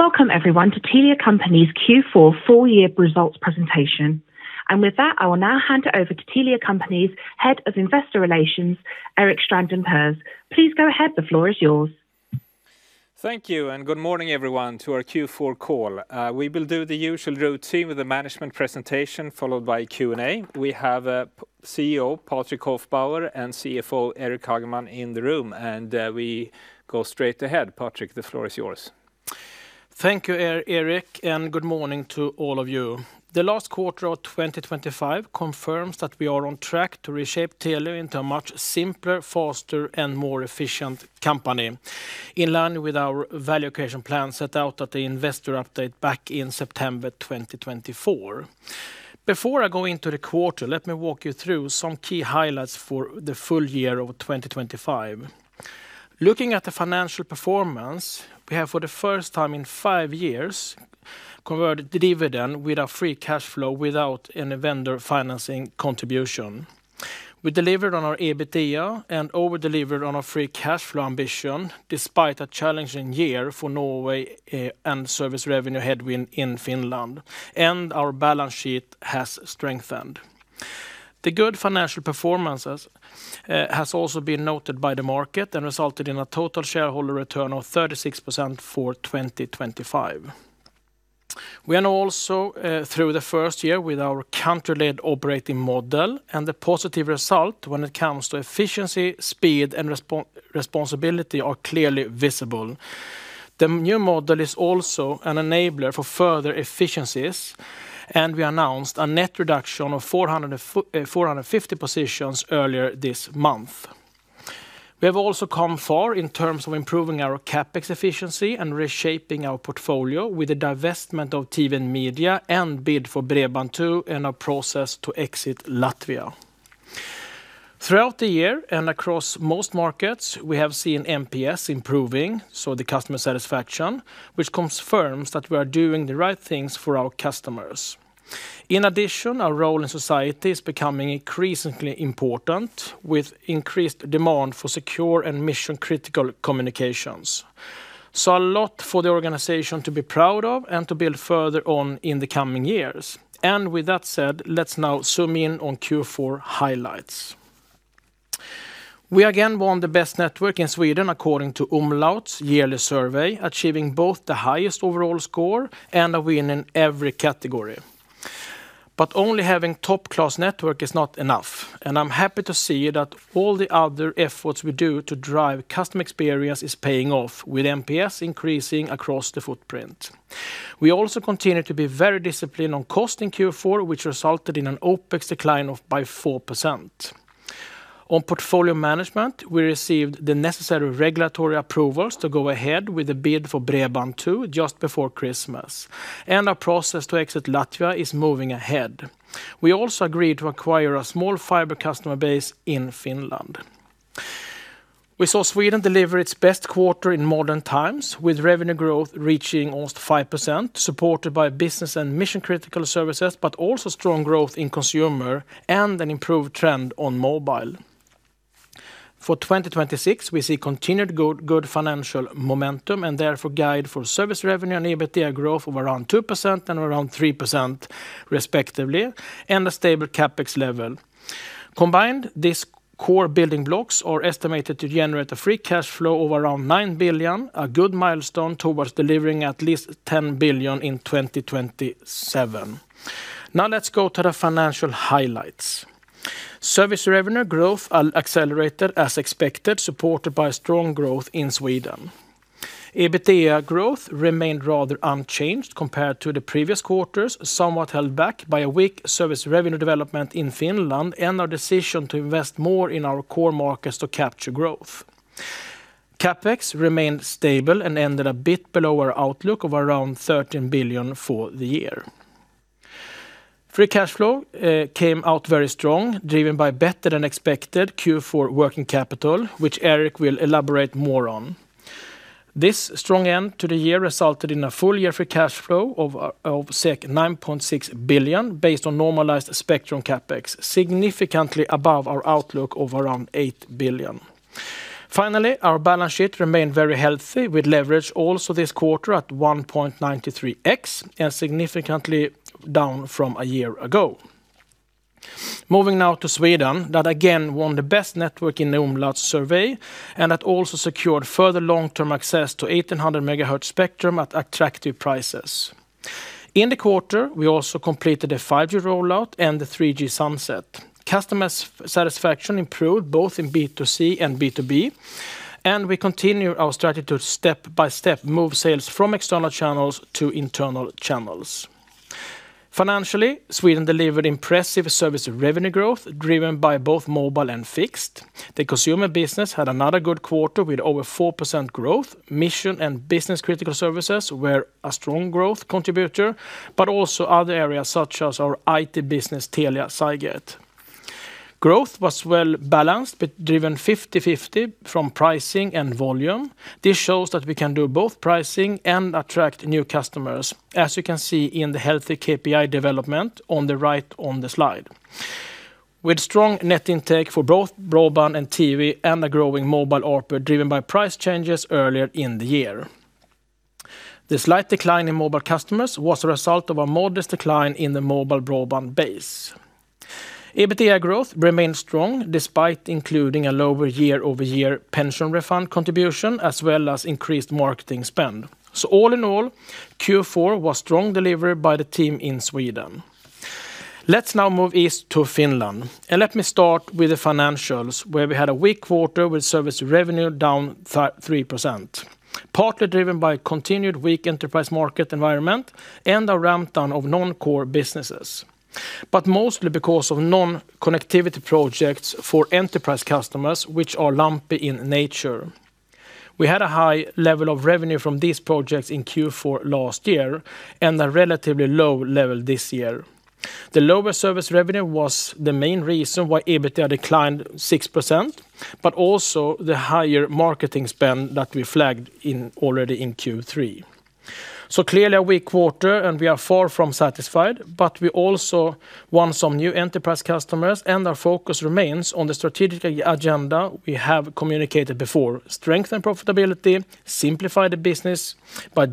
Welcome, everyone, to Telia Company's Q4 full-year results presentation. With that, I will now hand it over to Telia Company's Head of Investor Relations, Erik Strandin Pers. Please go ahead, the floor is yours. Thank you, and good morning, everyone, to our Q4 call. We will do the usual routine with a management presentation followed by Q&A. We have CEO Patrik Hofbauer and CFO Eric Hageman in the room, and we go straight ahead. Patrik, the floor is yours. Thank you, Erik, and good morning to all of you. The last quarter of 2025 confirms that we are on track to reshape Telia into a much simpler, faster, and more efficient company in line with our value creation plan set out at the investor update back in September 2024. Before I go into the quarter, let me walk you through some key highlights for the full year of 2025. Looking at the financial performance, we have, for the first time in five years, covered the dividend with our free cash flow without any vendor financing contribution. We delivered on our EBITDA and over-delivered on our free cash flow ambition despite a challenging year for Norway and service revenue headwind in Finland, and our balance sheet has strengthened. The good financial performance has also been noted by the market and resulted in a total shareholder return of 36% for 2025. We are now also through the first year with our country-led operating model, and the positive result when it comes to efficiency, speed, and responsibility are clearly visible. The new model is also an enabler for further efficiencies, and we announced a net reduction of 450 positions earlier this month. We have also come far in terms of improving our CapEx efficiency and reshaping our portfolio with the divestment of TV and Media and bid for Bredband2 and our process to exit Latvia. Throughout the year and across most markets, we have seen NPS improving, so the customer satisfaction, which confirms that we are doing the right things for our customers. In addition, our role in society is becoming increasingly important with increased demand for secure and mission-critical communications. So a lot for the organization to be proud of and to build further on in the coming years. With that said, let's now zoom in on Q4 highlights. We again won the best network in Sweden according to Umlaut's yearly survey, achieving both the highest overall score and a win in every category. But only having top-class network is not enough, and I'm happy to see that all the other efforts we do to drive customer experience are paying off with NPS increasing across the footprint. We also continue to be very disciplined on cost in Q4, which resulted in an OPEX decline by 4%. On portfolio management, we received the necessary regulatory approvals to go ahead with the bid for Bredband2 just before Christmas, and our process to exit Latvia is moving ahead. We also agreed to acquire a small fiber customer base in Finland. We saw Sweden deliver its best quarter in modern times, with revenue growth reaching almost 5%, supported by business and mission-critical services, but also strong growth in consumer and an improved trend on mobile. For 2026, we see continued good financial momentum and therefore guide for service revenue and EBITDA growth of around 2% and around 3%, respectively, and a stable CapEx level. Combined, these core building blocks are estimated to generate a free cash flow of around 9 billion, a good milestone towards delivering at least 10 billion in 2027. Now let's go to the financial highlights. Service revenue growth accelerated as expected, supported by strong growth in Sweden. EBITDA growth remained rather unchanged compared to the previous quarters, somewhat held back by a weak service revenue development in Finland and our decision to invest more in our core markets to capture growth. CapEx remained stable and ended a bit below our outlook of around 13 billion for the year. Free cash flow came out very strong, driven by better than expected Q4 working capital, which Eric will elaborate more on. This strong end to the year resulted in a full-year free cash flow of 9.6 billion based on normalized spectrum CapEx, significantly above our outlook of around 8 billion. Finally, our balance sheet remained very healthy with leverage also this quarter at 1.93x and significantly down from a year ago. Moving now to Sweden, that again won the best network in the Umlaut survey and that also secured further long-term access to 1800 megahertz spectrum at attractive prices. In the quarter, we also completed a 5G rollout and a 3G sunset. Customer satisfaction improved both in B2C and B2B, and we continue our strategy to step by step move sales from external channels to internal channels. Financially, Sweden delivered impressive service revenue growth driven by both mobile and fixed. The consumer business had another good quarter with over 4% growth. Mission and business-critical services were a strong growth contributor, but also other areas such as our IT business, Telia Cygate. Growth was well balanced, driven 50/50 from pricing and volume. This shows that we can do both pricing and attract new customers, as you can see in the healthy KPI development on the right on the slide. With strong net intake for both broadband and TV and a growing mobile ARPU driven by price changes earlier in the year. The slight decline in mobile customers was a result of a modest decline in the mobile broadband base. EBITDA growth remained strong despite including a lower year-over-year pension refund contribution as well as increased marketing spend. So all in all, Q4 was strong delivered by the team in Sweden. Let's now move east to Finland, and let me start with the financials, where we had a weak quarter with service revenue down 3%, partly driven by a continued weak enterprise market environment and a ramp-down of non-core businesses, but mostly because of non-connectivity projects for enterprise customers, which are lumpy in nature. We had a high level of revenue from these projects in Q4 last year and a relatively low level this year. The lower service revenue was the main reason why EBITDA declined 6%, but also the higher marketing spend that we flagged already in Q3. Clearly a weak quarter, and we are far from satisfied, but we also won some new enterprise customers, and our focus remains on the strategic agenda we have communicated before: strengthen profitability, simplify the business by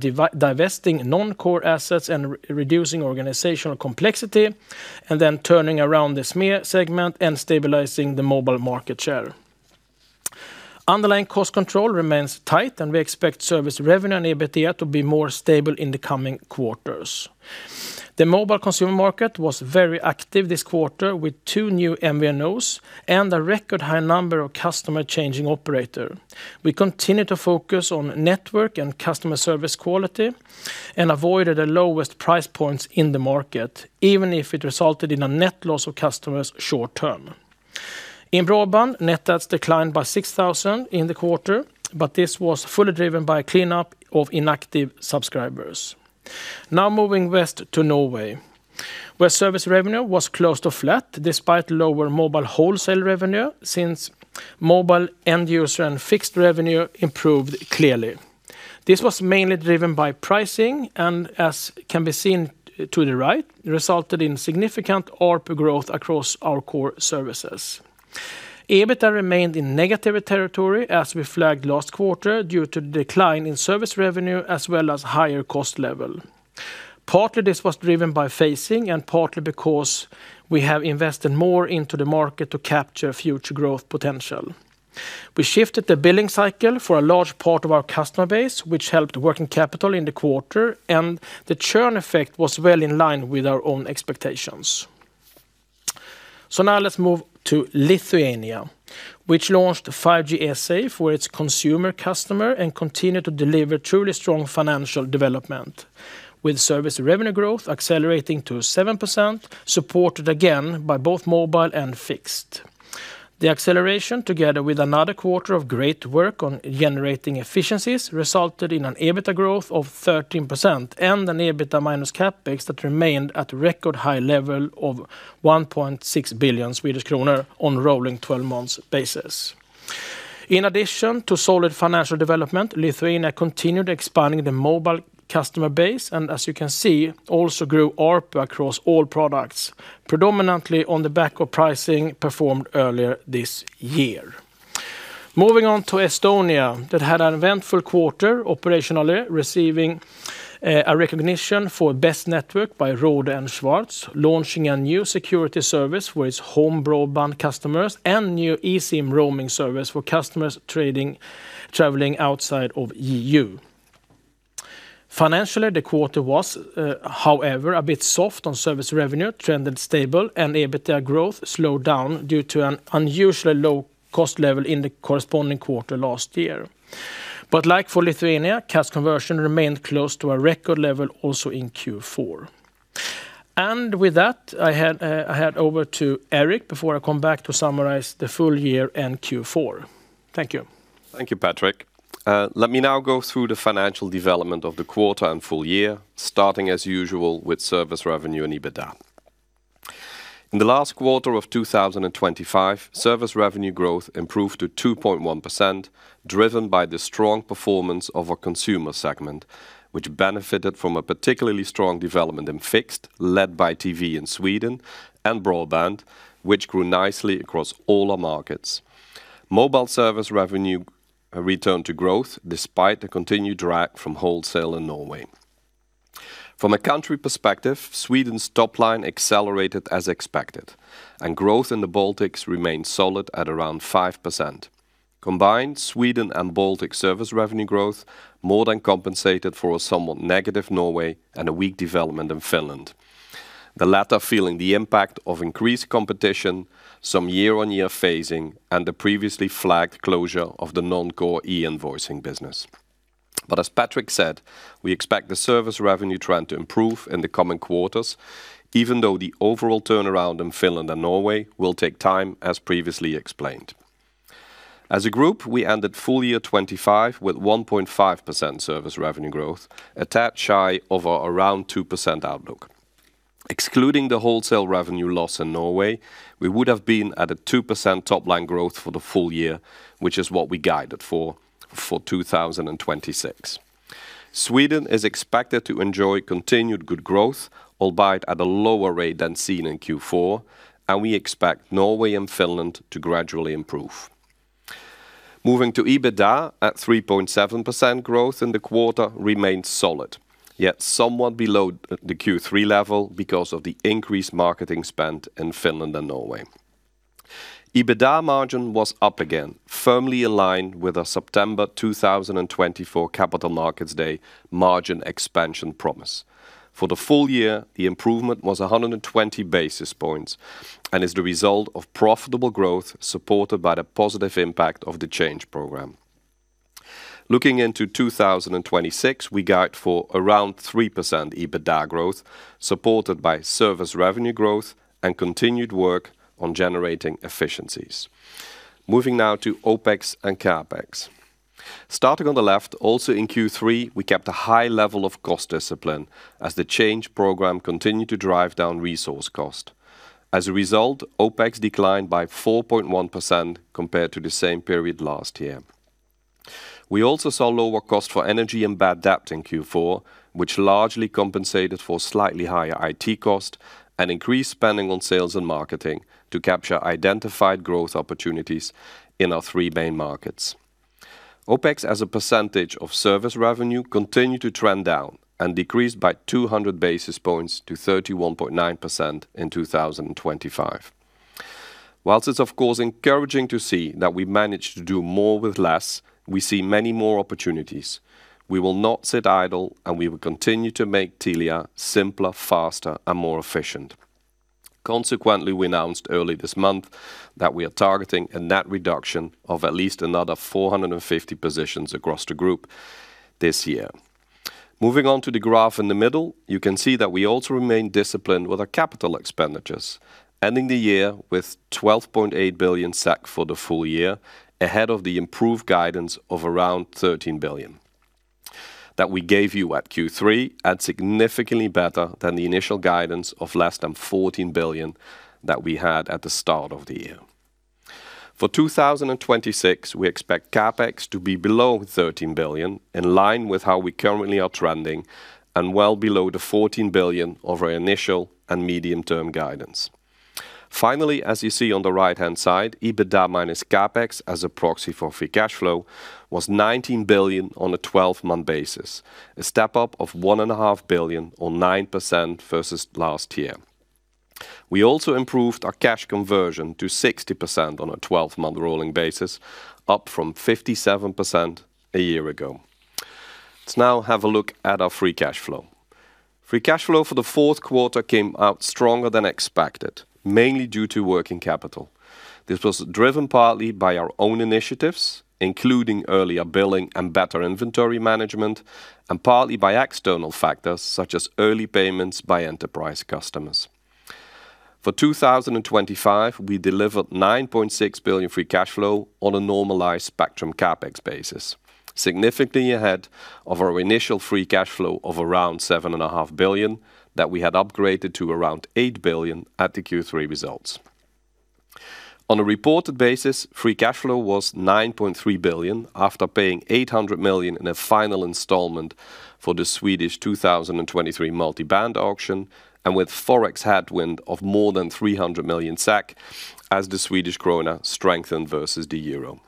divesting non-core assets and reducing organizational complexity, and then turning around this segment and stabilizing the mobile market share. Underlying cost control remains tight, and we expect service revenue and EBITDA to be more stable in the coming quarters. The mobile consumer market was very active this quarter with two new MVNOs and a record high number of customers changing operators. We continue to focus on network and customer service quality and avoided the lowest price points in the market, even if it resulted in a net loss of customers short-term. In broadband, net adds declined by 6,000 in the quarter, but this was fully driven by a cleanup of inactive subscribers. Now moving west to Norway, where service revenue was close to flat despite lower mobile wholesale revenue since mobile end user and fixed revenue improved clearly. This was mainly driven by pricing and, as can be seen to the right, resulted in significant ARPU growth across our core services. EBITDA remained in negative territory as we flagged last quarter due to the decline in service revenue as well as higher cost level. Partly this was driven by phasing and partly because we have invested more into the market to capture future growth potential. We shifted the billing cycle for a large part of our customer base, which helped working capital in the quarter, and the churn effect was well in line with our own expectations. So now let's move to Lithuania, which launched 5G SA for its consumer customer and continued to deliver truly strong financial development, with service revenue growth accelerating to 7%, supported again by both mobile and fixed. The acceleration, together with another quarter of great work on generating efficiencies, resulted in an EBITDA growth of 13% and an EBITDA minus CapEx that remained at a record high level of 1.6 billion Swedish kronor on a rolling 12-month basis. In addition to solid financial development, Lithuania continued expanding the mobile customer base and, as you can see, also grew ARPU across all products, predominantly on the back of pricing performed earlier this year. Moving on to Estonia, that had an eventful quarter operationally, receiving a recognition for best network by Rohde & Schwarz, launching a new security service for its home broadband customers and new eSIM roaming service for customers traveling outside of the EU. Financially, the quarter was, however, a bit soft on service revenue, trended stable, and EBITDA growth slowed down due to an unusually low cost level in the corresponding quarter last year. But like for Lithuania, cash conversion remained close to a record level also in Q4. And with that, I hand over to Eric before I come back to summarize the full year and Q4. Thank you. Thank you, Patrik. Let me now go through the financial development of the quarter and full year, starting as usual with service revenue and EBITDA. In the last quarter of 2025, service revenue growth improved to 2.1%, driven by the strong performance of our consumer segment, which benefited from a particularly strong development in fixed, led by TV in Sweden, and broadband, which grew nicely across all our markets. Mobile service revenue returned to growth despite the continued drag from wholesale in Norway. From a country perspective, Sweden's top line accelerated as expected, and growth in the Baltics remained solid at around 5%. Combined, Sweden and Baltics service revenue growth more than compensated for a somewhat negative Norway and a weak development in Finland, the latter feeling the impact of increased competition, some year-on-year phasing, and the previously flagged closure of the non-core e-invoicing business. But as Patrik said, we expect the service revenue trend to improve in the coming quarters, even though the overall turnaround in Finland and Norway will take time, as previously explained. As a group, we ended full year 2025 with 1.5% service revenue growth, a tad shy of our around 2% outlook. Excluding the wholesale revenue loss in Norway, we would have been at a 2% top line growth for the full year, which is what we guided for for 2026. Sweden is expected to enjoy continued good growth, albeit at a lower rate than seen in Q4, and we expect Norway and Finland to gradually improve. Moving to EBITDA at 3.7%, growth in the quarter remained solid, yet somewhat below the Q3 level because of the increased marketing spend in Finland and Norway. EBITDA margin was up again, firmly aligned with our September 2024 Capital Markets Day margin expansion promise. For the full year, the improvement was 120 basis points and is the result of profitable growth supported by the positive impact of the change program. Looking into 2026, we guide for around 3% EBITDA growth supported by service revenue growth and continued work on generating efficiencies. Moving now to OPEX and CapEx. Starting on the left, also in Q3, we kept a high level of cost discipline as the change program continued to drive down resource cost. As a result, OPEX declined by 4.1% compared to the same period last year. We also saw lower cost for energy and bad debt in Q4, which largely compensated for slightly higher IT cost and increased spending on sales and marketing to capture identified growth opportunities in our three main markets. OPEX as a percentage of service revenue continued to trend down and decreased by 200 basis points to 31.9% in 2025. While it's, of course, encouraging to see that we managed to do more with less, we see many more opportunities. We will not sit idle, and we will continue to make Telia simpler, faster, and more efficient. Consequently, we announced early this month that we are targeting a net reduction of at least another 450 positions across the group this year. Moving on to the graph in the middle, you can see that we also remained disciplined with our capital expenditures, ending the year with 12.8 billion for the full year, ahead of the improved guidance of around 13 billion that we gave you at Q3, and significantly better than the initial guidance of less than 14 billion that we had at the start of the year. For 2026, we expect CapEx to be below 13 billion, in line with how we currently are trending and well below the 14 billion of our initial and medium-term guidance. Finally, as you see on the right-hand side, EBITDA minus CapEx as a proxy for free cash flow was 19 billion on a 12-month basis, a step up of 1.5 billion or 9% versus last year. We also improved our cash conversion to 60% on a 12-month rolling basis, up from 57% a year ago. Let's now have a look at our free cash flow. Free cash flow for the fourth quarter came out stronger than expected, mainly due to working capital. This was driven partly by our own initiatives, including earlier billing and better inventory management, and partly by external factors such as early payments by enterprise customers. For 2025, we delivered 9.6 billion free cash flow on a normalized spectrum CapEx basis, significantly ahead of our initial free cash flow of around 7.5 billion that we had upgraded to around 8 billion at the Q3 results. On a reported basis, free cash flow was 9.3 billion after paying 800 million in a final installment for the Swedish 2023 multi-band auction and with forex headwind of more than 300 million as the Swedish krona strengthened versus the euro.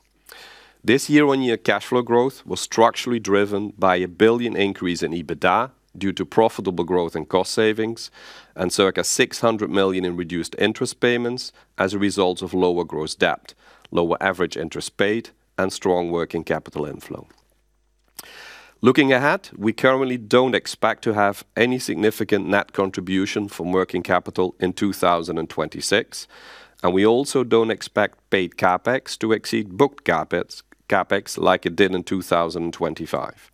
This year-on-year cash flow growth was structurally driven by a 1 billion increase in EBITDA due to profitable growth and cost savings, and circa 600 million in reduced interest payments as a result of lower gross debt, lower average interest paid, and strong working capital inflow. Looking ahead, we currently don't expect to have any significant net contribution from working capital in 2026, and we also don't expect paid CapEx to exceed booked CapEx like it did in 2025.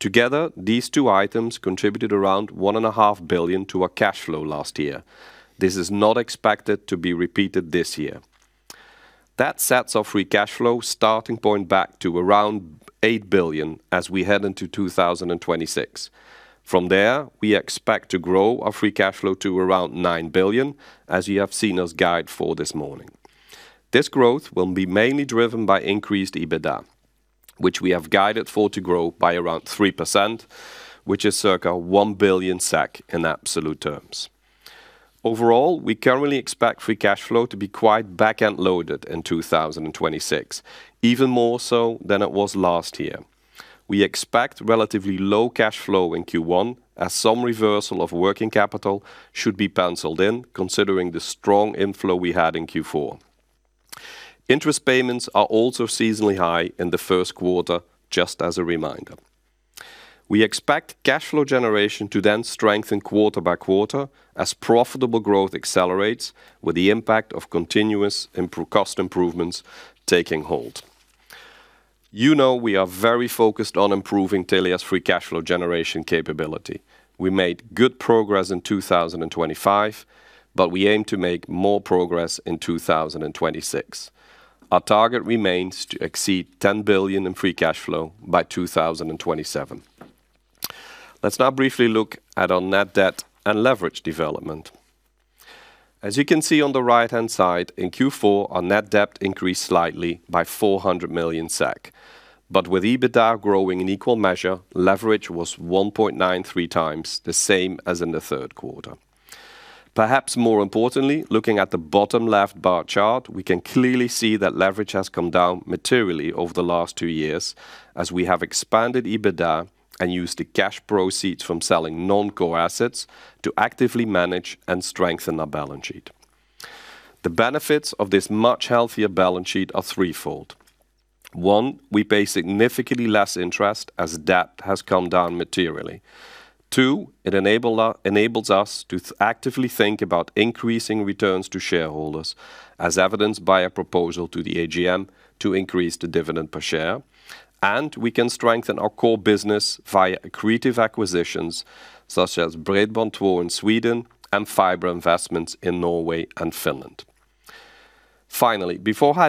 Together, these two items contributed around 1.5 billion to our cash flow last year. This is not expected to be repeated this year. That sets our free cash flow starting point back to around 8 billion as we head into 2026. From there, we expect to grow our free cash flow to around 9 billion, as you have seen us guide for this morning. This growth will be mainly driven by increased EBITDA, which we have guided for to grow by around 3%, which is circa 1 billion SEK in absolute terms. Overall, we currently expect free cash flow to be quite back-end loaded in 2026, even more so than it was last year. We expect relatively low cash flow in Q1, as some reversal of working capital should be penciled in, considering the strong inflow we had in Q4. Interest payments are also seasonally high in the first quarter, just as a reminder. We expect cash flow generation to then strengthen quarter by quarter as profitable growth accelerates, with the impact of continuous cost improvements taking hold. You know we are very focused on improving Telia's free cash flow generation capability. We made good progress in 2025, but we aim to make more progress in 2026. Our target remains to exceed 10 billion in free cash flow by 2027. Let's now briefly look at our net debt and leverage development. As you can see on the right-hand side, in Q4, our net debt increased slightly by 400 million SEK, but with EBITDA growing in equal measure, leverage was 1.93x the same as in the third quarter. Perhaps more importantly, looking at the bottom left bar chart, we can clearly see that leverage has come down materially over the last 2 years as we have expanded EBITDA and used the cash proceeds from selling non-core assets to actively manage and strengthen our balance sheet. The benefits of this much healthier balance sheet are threefold. 1, we pay significantly less interest as debt has come down materially. 2, it enables us to actively think about increasing returns to shareholders, as evidenced by a proposal to the AGM to increase the dividend per share, and we can strengthen our core business via accretive acquisitions such as Bredband2 in Sweden and fiber investments in Norway and Finland. Finally, before I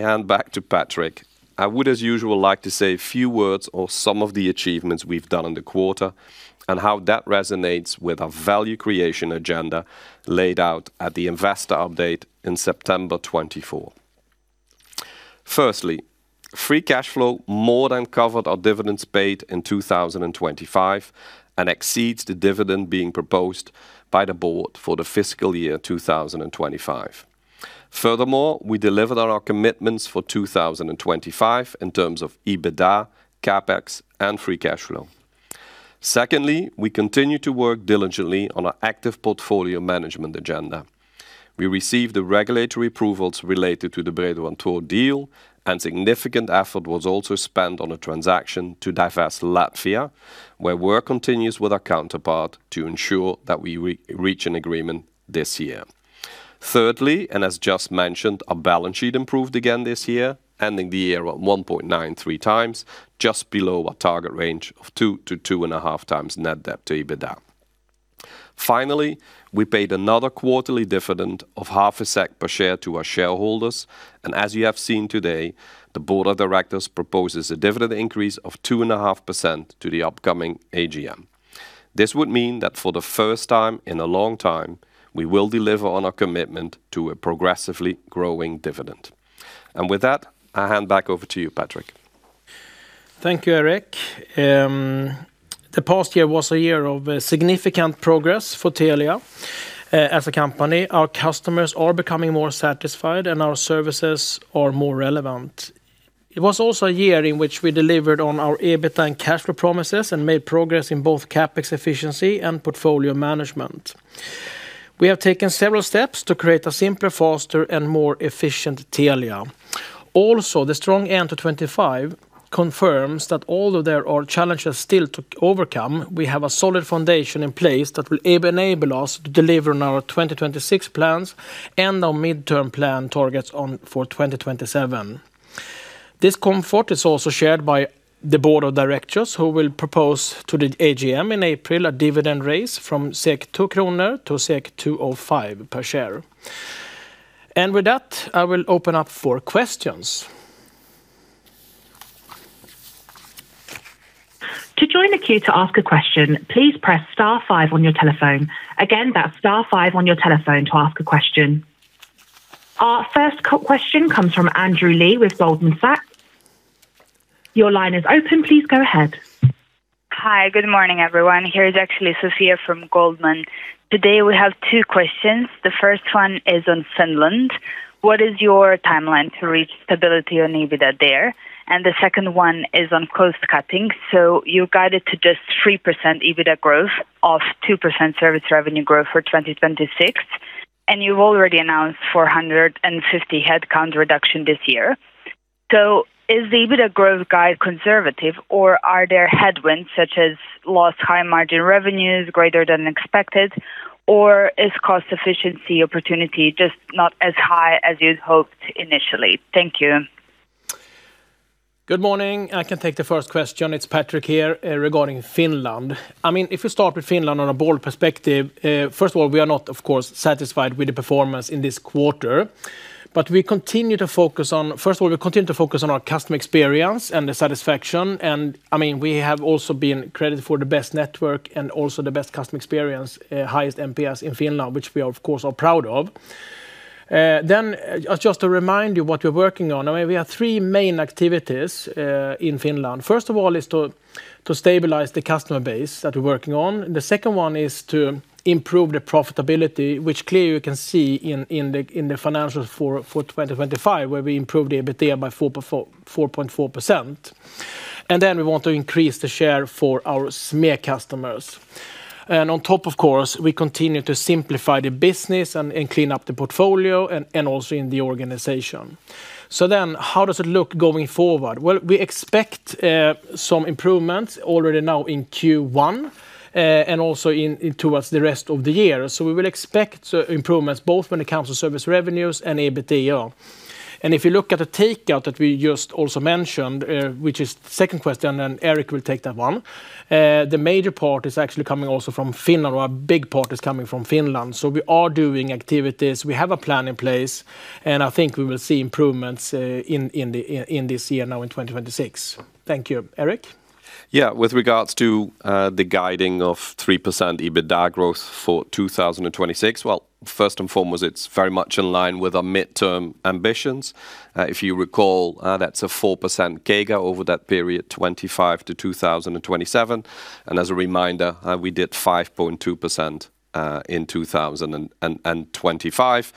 hand back to Patrik, I would, as usual, like to say a few words on some of the achievements we've done in the quarter and how that resonates with our value creation agenda laid out at the investor update in September 2024. Firstly, free cash flow more than covered our dividends paid in 2025 and exceeds the dividend being proposed by the board for the fiscal year 2025. Furthermore, we delivered on our commitments for 2025 in terms of EBITDA, CapEx, and free cash flow. Secondly, we continue to work diligently on our active portfolio management agenda. We received the regulatory approvals related to the Bredband2 deal, and significant effort was also spent on a transaction to divest Latvia, where work continues with our counterpart to ensure that we reach an agreement this year. Thirdly, and as just mentioned, our balance sheet improved again this year, ending the year at 1.93 times, just below our target range of 2-2.5 times net debt to EBITDA. Finally, we paid another quarterly dividend of SEK 0.5 per share to our shareholders, and as you have seen today, the board of directors proposes a dividend increase of 2.5% to the upcoming AGM. This would mean that for the first time in a long time, we will deliver on our commitment to a progressively growing dividend. And with that, I hand back over to you, Patrik. Thank you, Erik. The past year was a year of significant progress for Telia as a company. Our customers are becoming more satisfied, and our services are more relevant. It was also a year in which we delivered on our EBITDA and cash flow promises and made progress in both CapEx efficiency and portfolio management. We have taken several steps to create a simpler, faster, and more efficient Telia. Also, the strong end to 2025 confirms that although there are challenges still to overcome, we have a solid foundation in place that will enable us to deliver on our 2026 plans and our midterm plan targets for 2027. This comfort is also shared by the board of directors, who will propose to the AGM in April a dividend raise from 2.00 kronor to 2.05 per share. With that, I will open up for questions. To join the queue to ask a question, please press star five on your telephone. Again, that's star five on your telephone to ask a question. Our first question comes from Andrew Lee with Goldman Sachs. Your line is open. Please go ahead. Hi, good morning, everyone. Here is actually Sofia from Goldman. Today we have two questions. The first one is on Finland. What is your timeline to reach stability on EBITDA there? And the second one is on cost cutting. So you guided to just 3% EBITDA growth off 2% service revenue growth for 2026, and you've already announced 450 headcount reduction this year. So is the EBITDA growth guide conservative, or are there headwinds such as lost high margin revenues greater than expected, or is cost efficiency opportunity just not as high as you'd hoped initially? Thank you. Good morning. I can take the first question. It's Patrik here regarding Finland. I mean, if we start with Finland on a broad perspective, first of all, we are not, of course, satisfied with the performance in this quarter, but we continue to focus on, first of all, we continue to focus on our customer experience and the satisfaction. And I mean, we have also been credited for the best network and also the best customer experience, highest NPS in Finland, which we are, of course, proud of. Then, just to remind you what we're working on, I mean, we have three main activities in Finland. First of all, is to stabilize the customer base that we're working on. The second one is to improve the profitability, which clearly you can see in the financials for 2025, where we improved the EBITDA by 4.4%. And then we want to increase the share for our SME customers. And on top, of course, we continue to simplify the business and clean up the portfolio and also in the organization. So then, how does it look going forward? Well, we expect some improvements already now in Q1 and also towards the rest of the year. So we will expect improvements both when it comes to service revenues and EBITDA. And if you look at the takeout that we just also mentioned, which is the second question, and Eric will take that one, the major part is actually coming also from Finland. Our big part is coming from Finland. So we are doing activities. We have a plan in place, and I think we will see improvements in this year now in 2026. Thank you, Eric. Yeah, with regards to the guidance of 3% EBITDA growth for 2026, well, first and foremost, it's very much in line with our mid-term ambitions. If you recall, that's a 4% CAGR over that period 2025 to 2027. And as a reminder, we did 5.2% in 2025.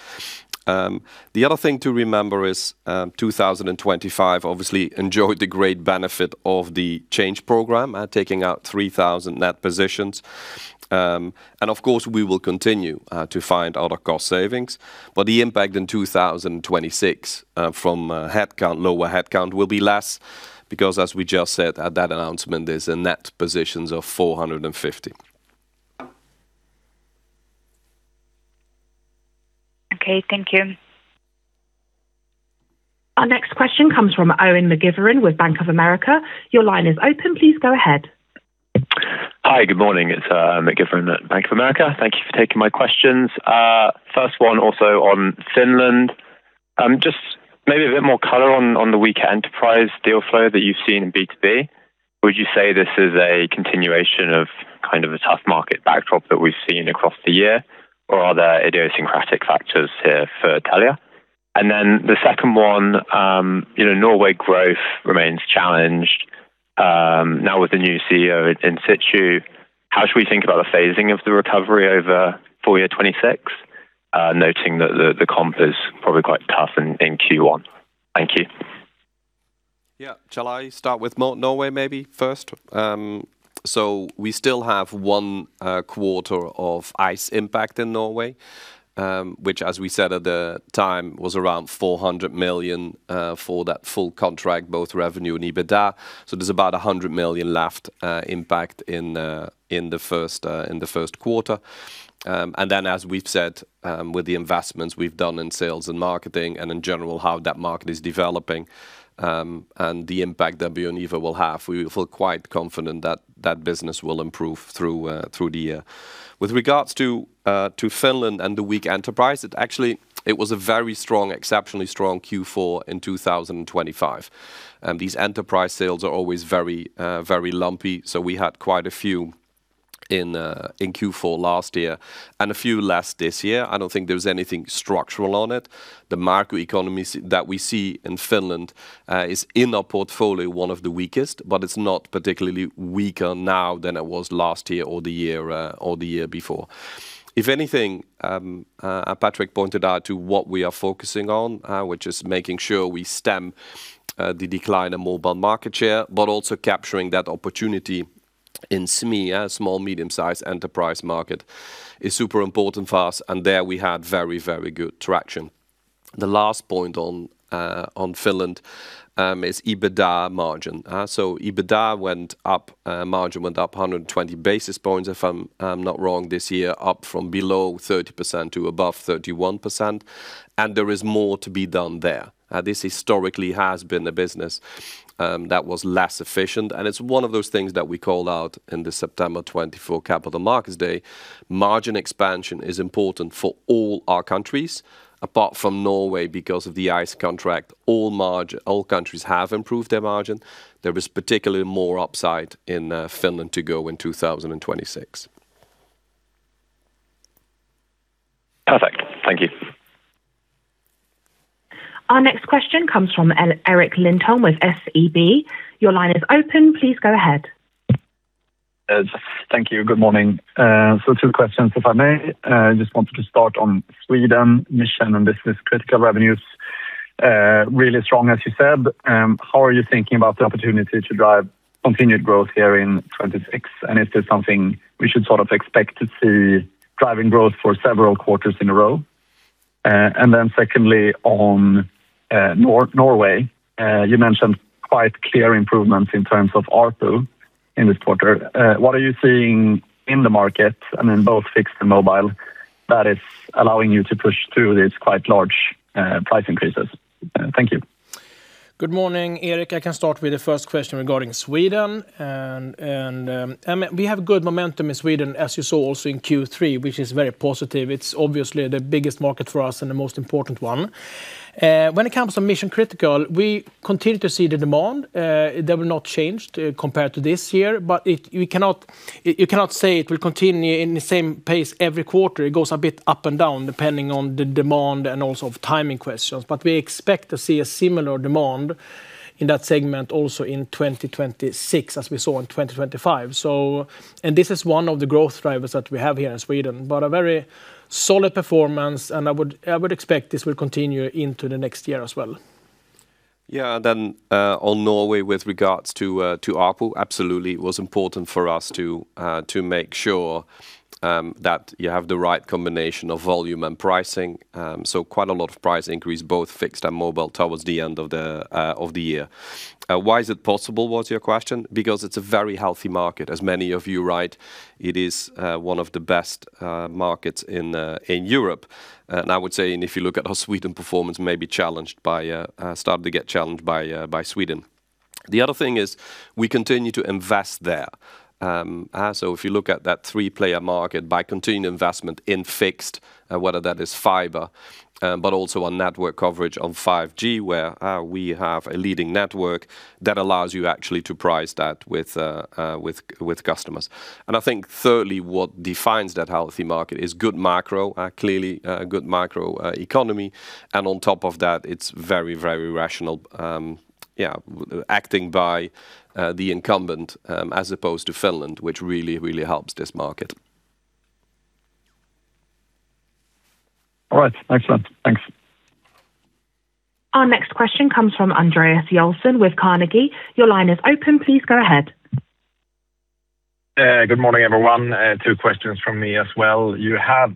The other thing to remember is 2025 obviously enjoyed the great benefit of the change program, taking out 3,000 net positions. And of course, we will continue to find out our cost savings, but the impact in 2026 from headcount, lower headcount will be less because, as we just said at that announcement, there's a net positions of 450. Okay, thank you. Our next question comes from Owen McGivern with Bank of America. Your line is open. Please go ahead. Hi, good morning. It's McGivern at Bank of America. Thank you for taking my questions. First one also on Finland. Just maybe a bit more color on the weaker enterprise deal flow that you've seen in B2B. Would you say this is a continuation of kind of a tough market backdrop that we've seen across the year, or are there idiosyncratic factors here for Telia? And then the second one, Norway growth remains challenged. Now with the new CEO in situ, how should we think about the phasing of the recovery over full year 2026, noting that the comp is probably quite tough in Q1? Thank you. Yeah, shall I start with Norway maybe first? So we still have one quarter of Ice impact in Norway, which, as we said at the time, was around 400 million for that full contract, both revenue and EBITDA. So there's about 100 million left impact in the first quarter. And then, as we've said, with the investments we've done in sales and marketing and in general how that market is developing and the impact that we will have, we feel quite confident that that business will improve through the year. With regards to Finland and the weak enterprise, it actually was a very strong, exceptionally strong Q4 in 2025. These enterprise sales are always very lumpy, so we had quite a few in Q4 last year and a few less this year. I don't think there's anything structural on it. The macroeconomy that we see in Finland is in our portfolio one of the weakest, but it's not particularly weaker now than it was last year or the year before. If anything, Patrik pointed out to what we are focusing on, which is making sure we stem the decline in mobile market share, but also capturing that opportunity in SME, small, medium-sized enterprise market is super important for us, and there we had very, very good traction. The last point on Finland is EBITDA margin. So EBITDA went up, margin went up 120 basis points, if I'm not wrong, this year, up from below 30% to above 31%, and there is more to be done there. This historically has been a business that was less efficient, and it's one of those things that we called out in the September 2024 Capital Markets Day. Margin expansion is important for all our countries. Apart from Norway, because of the Ice contract, all countries have improved their margin. There is particularly more upside in Finland to go in 2026. Perfect. Thank you. Our next question comes from Erik Lindholm with SEB. Your line is open. Please go ahead. Thank you. Good morning. So two questions, if I may. I just wanted to start on Sweden, mission and business critical revenues, really strong, as you said. How are you thinking about the opportunity to drive continued growth here in 2026? And is this something we should sort of expect to see driving growth for several quarters in a row? And then secondly, on Norway, you mentioned quite clear improvements in terms of ARPU in this quarter. What are you seeing in the market, and in both fixed and mobile, that is allowing you to push through these quite large price increases? Thank you. Good morning, Eric. I can start with the first question regarding Sweden. We have good momentum in Sweden, as you saw also in Q3, which is very positive. It's obviously the biggest market for us and the most important one. When it comes to mission critical, we continue to see the demand. They will not change compared to this year, but you cannot say it will continue in the same pace every quarter. It goes a bit up and down depending on the demand and also of timing questions, but we expect to see a similar demand in that segment also in 2026, as we saw in 2025. This is one of the growth drivers that we have here in Sweden, but a very solid performance, and I would expect this will continue into the next year as well. Yeah, then on Norway with regards to ARPU, absolutely it was important for us to make sure that you have the right combination of volume and pricing. So quite a lot of price increase, both fixed and mobile, towards the end of the year. Why is it possible, was your question? Because it's a very healthy market, as many of you write. It is one of the best markets in Europe. And I would say, if you look at our Sweden performance, maybe challenged by, started to get challenged by Sweden. The other thing is we continue to invest there. So if you look at that three-player market by continued investment in fixed, whether that is fiber, but also on network coverage on 5G, where we have a leading network that allows you actually to price that with customers. I think thirdly, what defines that healthy market is good macro, clearly good macro economy. And on top of that, it's very, very rational, yeah, acting by the incumbent as opposed to Finland, which really, really helps this market. All right, excellent. Thanks. Our next question comes from Andreas Joelsson with Carnegie. Your line is open. Please go ahead. Good morning, everyone. Two questions from me as well. You have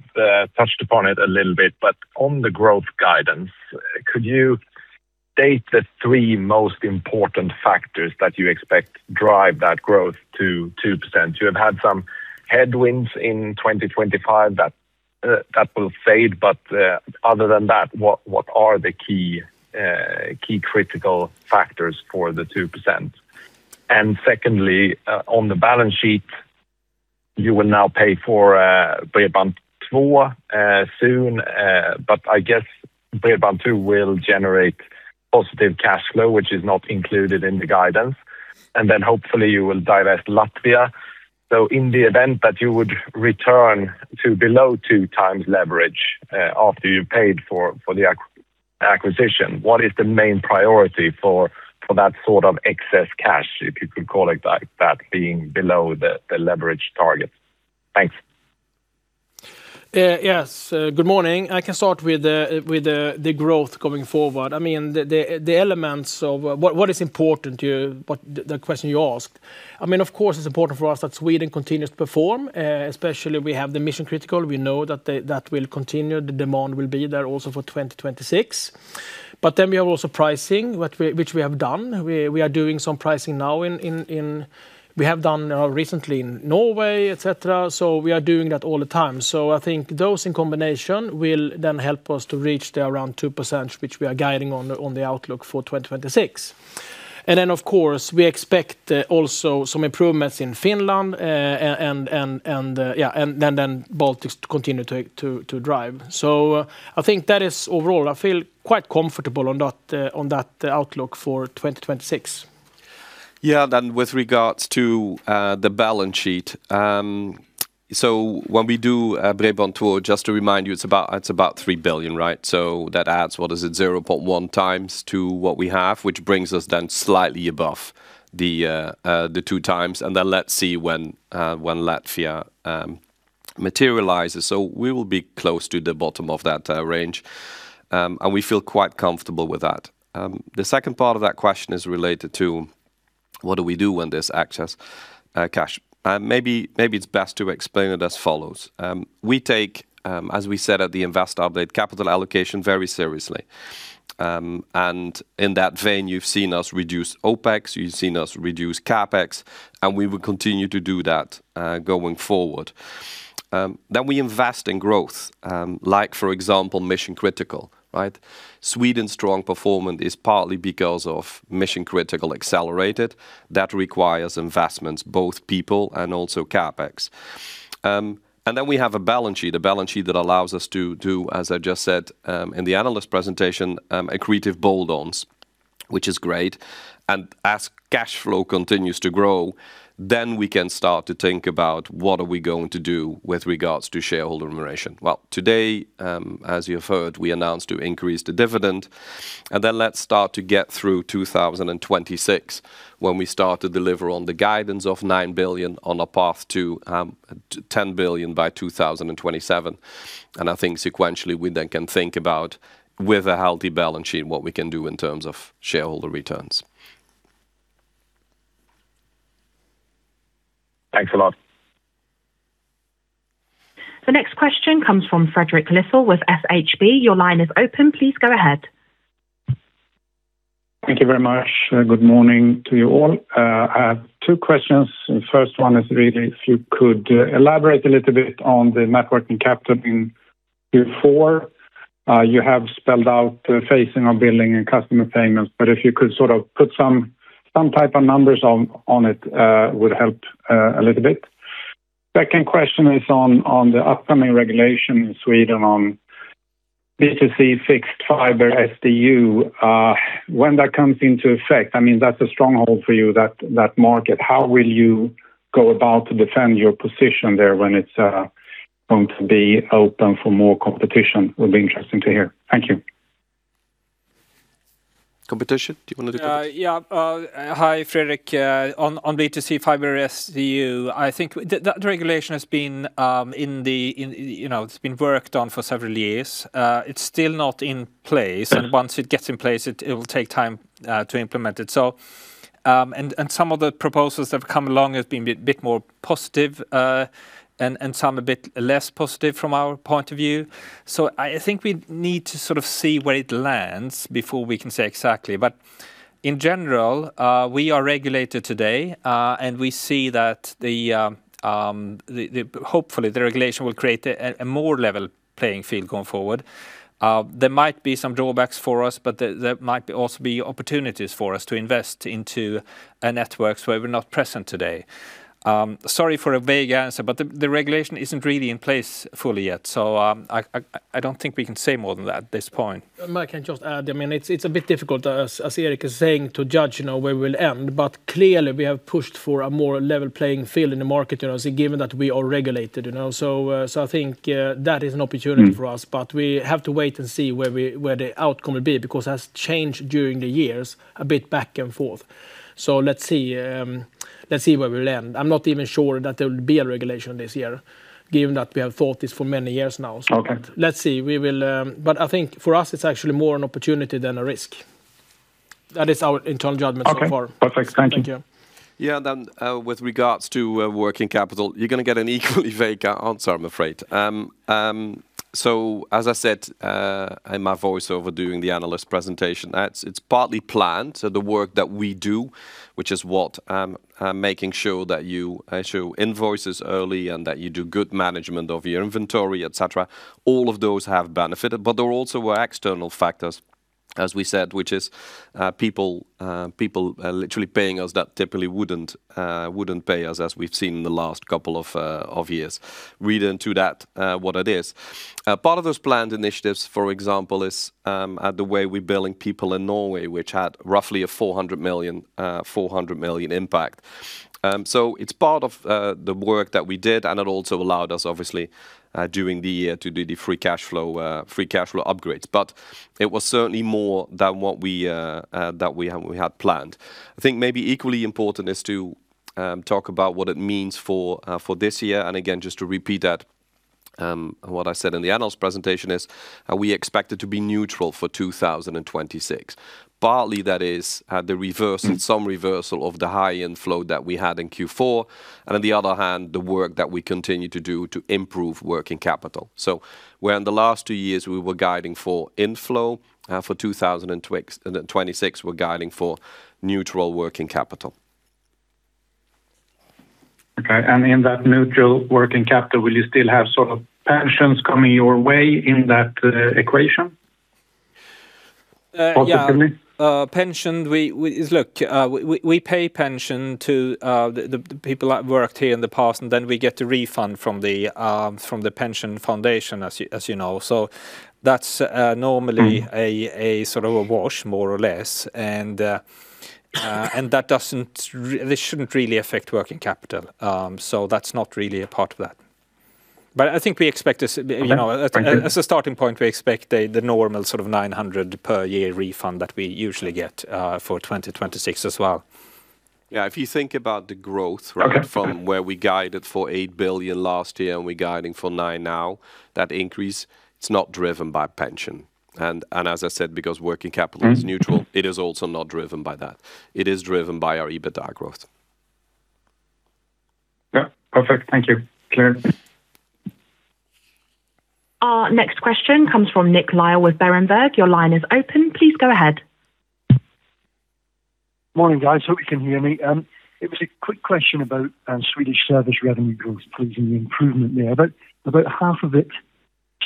touched upon it a little bit, but on the growth guidance, could you state the three most important factors that you expect drive that growth to 2%? You have had some headwinds in 2025 that will fade, but other than that, what are the key critical factors for the 2%? Secondly, on the balance sheet, you will now pay for Bredband2 soon, but I guess Bredband2 will generate positive cash flow, which is not included in the guidance. Then hopefully you will divest Latvia. In the event that you would return to below 2x leverage after you paid for the acquisition, what is the main priority for that sort of excess cash, if you could call it like that, being below the leverage target? Thanks. Yes, good morning. I can start with the growth coming forward. I mean, the elements of what is important to you, the question you asked. I mean, of course, it's important for us that Sweden continues to perform, especially we have the mission critical. We know that that will continue. The demand will be there also for 2026. But then we have also pricing, which we have done. We are doing some pricing now in, we have done recently in Norway, etc. So we are doing that all the time. So I think those in combination will then help us to reach the around 2%, which we are guiding on the outlook for 2026. And then, of course, we expect also some improvements in Finland and then Baltics continue to drive. So I think that is overall, I feel quite comfortable on that outlook for 2026. Yeah, then with regards to the balance sheet, so when we do Bredband2, just to remind you, it's about 3 billion, right? So that adds, what is it, 0.1x to what we have, which brings us then slightly above the 2x. Then let's see when Latvia materializes. So we will be close to the bottom of that range. And we feel quite comfortable with that. The second part of that question is related to what do we do when there's excess cash? Maybe it's best to explain it as follows. We take, as we said at the investor update, capital allocation very seriously. And in that vein, you've seen us reduce OPEX, you've seen us reduce CapEx, and we will continue to do that going forward. Then we invest in growth, like for example, mission critical, right? Sweden's strong performance is partly because of mission critical accelerated. That requires investments, both people and also CapEx. And then we have a balance sheet, a balance sheet that allows us to do, as I just said in the analyst presentation, accretive bolt-ons, which is great. And as cash flow continues to grow, then we can start to think about what are we going to do with regards to shareholder remuneration. Well, today, as you've heard, we announced to increase the dividend. And then let's start to get through 2026 when we start to deliver on the guidance of 9 billion on a path to 10 billion by 2027. And I think sequentially we then can think about with a healthy balance sheet what we can do in terms of shareholder returns. Thanks a lot. The next question comes from Fredrik Lithell with SHB. Your line is open. Please go ahead. Thank you very much. Good morning to you all. I have two questions. The first one is really if you could elaborate a little bit on the net working capital in Q4. You have spelled out phasing of billing and customer payments, but if you could sort of put some type of numbers on it, it would help a little bit. Second question is on the upcoming regulation in Sweden on B2C fixed fiber SDU. When that comes into effect, I mean, that's a stronghold for you, that market. How will you go about to defend your position there when it's going to be open for more competition? It would be interesting to hear. Thank you. Competition? Do you want to do? Yeah. Hi, Fredrik. On B2C fiber SDU, I think that regulation has been in the. It's been worked on for several years. It's still not in place, and once it gets in place, it will take time to implement it. Some of the proposals that have come along have been a bit more positive and some a bit less positive from our point of view. So I think we need to sort of see where it lands before we can say exactly. But in general, we are regulated today, and we see that hopefully the regulation will create a more level playing field going forward. There might be some drawbacks for us, but there might also be opportunities for us to invest into networks where we're not present today. Sorry for a vague answer, but the regulation isn't really in place fully yet, so I don't think we can say more than that at this point. I can just add, I mean, it's a bit difficult, as Eric is saying, to judge where we will end, but clearly we have pushed for a more level playing field in the market, given that we are regulated. So I think that is an opportunity for us, but we have to wait and see where the outcome will be because it has changed during the years a bit back and forth. So let's see where we will end. I'm not even sure that there will be a regulation this year, given that we have thought this for many years now. So let's see. But I think for us, it's actually more an opportunity than a risk. That is our internal judgment so far. Perfect. Thank you. Yeah, then with regards to working capital, you're going to get an equally vague answer, I'm afraid. So as I said in my voiceover during the analyst presentation, it's partly planned. So the work that we do, which is what? Making sure that you issue invoices early and that you do good management of your inventory, etc. All of those have benefited, but there also were external factors, as we said, which is people literally paying us that typically wouldn't pay us, as we've seen in the last couple of years. Read into that what it is. Part of those planned initiatives, for example, is the way we're billing people in Norway, which had roughly a 400 million impact. So it's part of the work that we did, and it also allowed us, obviously, during the year to do the free cash flow upgrades. But it was certainly more than what we had planned. I think maybe equally important is to talk about what it means for this year. And again, just to repeat that, what I said in the analyst presentation is we expect it to be neutral for 2026. Partly that is the reversal, some reversal of the high inflow that we had in Q4. And on the other hand, the work that we continue to do to improve working capital. So where in the last two years we were guiding for inflow for 2026, we're guiding for neutral working capital. Okay. And in that neutral working capital, will you still have sort of pensions coming your way in that equation? Pension? Pension, look, we pay pension to the people that worked here in the past, and then we get a refund from the pension foundation, as you know. So that's normally a sort of a wash, more or less. And that shouldn't really affect working capital. So that's not really a part of that. But I think we expect this, as a starting point, we expect the normal sort of 900 per year refund that we usually get for 2026 as well. Yeah, if you think about the growth from where we guided for 8 billion last year and we're guiding for 9 billion now, that increase, it's not driven by pension. As I said, because working capital is neutral, it is also not driven by that. It is driven by our EBITDA growth. Yeah, perfect. Thank you, Claire. Next question comes from Nick Lyall with Berenberg. Your line is open. Please go ahead. Morning, guys. Hope you can hear me. It's a quick question about Swedish service revenue growth, please, and the improvement there. About half of it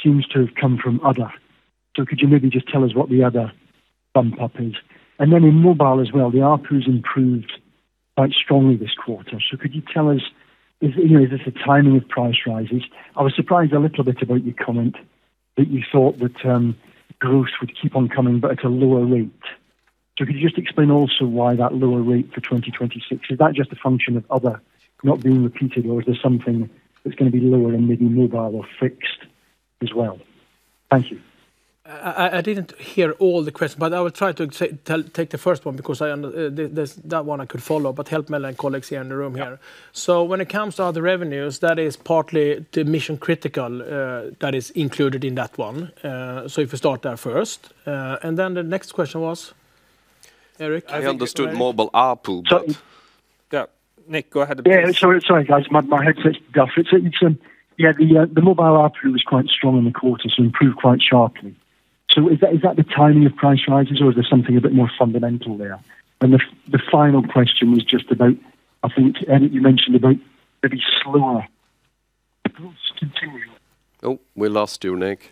seems to have come from other. So could you maybe just tell us what the other bump-up is? And then in mobile as well, the R2 has improved quite strongly this quarter. So could you tell us, is this a timing of price rises? I was surprised a little bit about your comment that you thought that growth would keep on coming, but at a lower rate. So could you just explain also why that lower rate for 2026? Is that just a function of other not being repeated, or is there something that's going to be lower in maybe mobile or fixed as well? Thank you. I didn't hear all the questions, but I will try to take the first one because that one I could follow, but help Mel and colleagues here in the room here. So when it comes to other revenues, that is partly the mission critical that is included in that one. So if we start there first. And then the next question was, Eric? I understood mobile R2, but. Yeah, Nick, go ahead. Yeah, sorry, guys. My headphones got fixed. Yeah, the mobile ARPU was quite strong in the quarter, so it improved quite sharply. So is that the timing of price rises, or is there something a bit more fundamental there? And the final question was just about, I think you mentioned about maybe slower growth continuing. Oh, we lost you, Nick.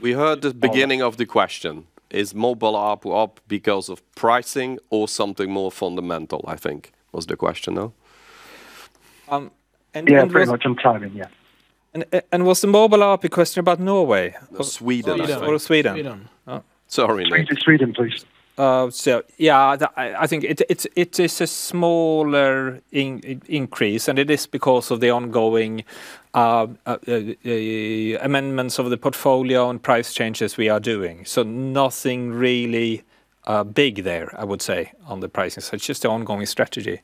We heard the beginning of the question. Is mobile ARPU up because of pricing or something more fundamental, I think, was the question now? Yeah, very much. I'm chiming in. Yeah. Was the mobile ARPU question about Norway? Or Sweden, I think. Or Sweden. Sweden. Sorry, Nick. Sweden, please. Yeah, I think it is a smaller increase, and it is because of the ongoing amendments of the portfolio and price changes we are doing. So nothing really big there, I would say, on the pricing. So it's just the ongoing strategy.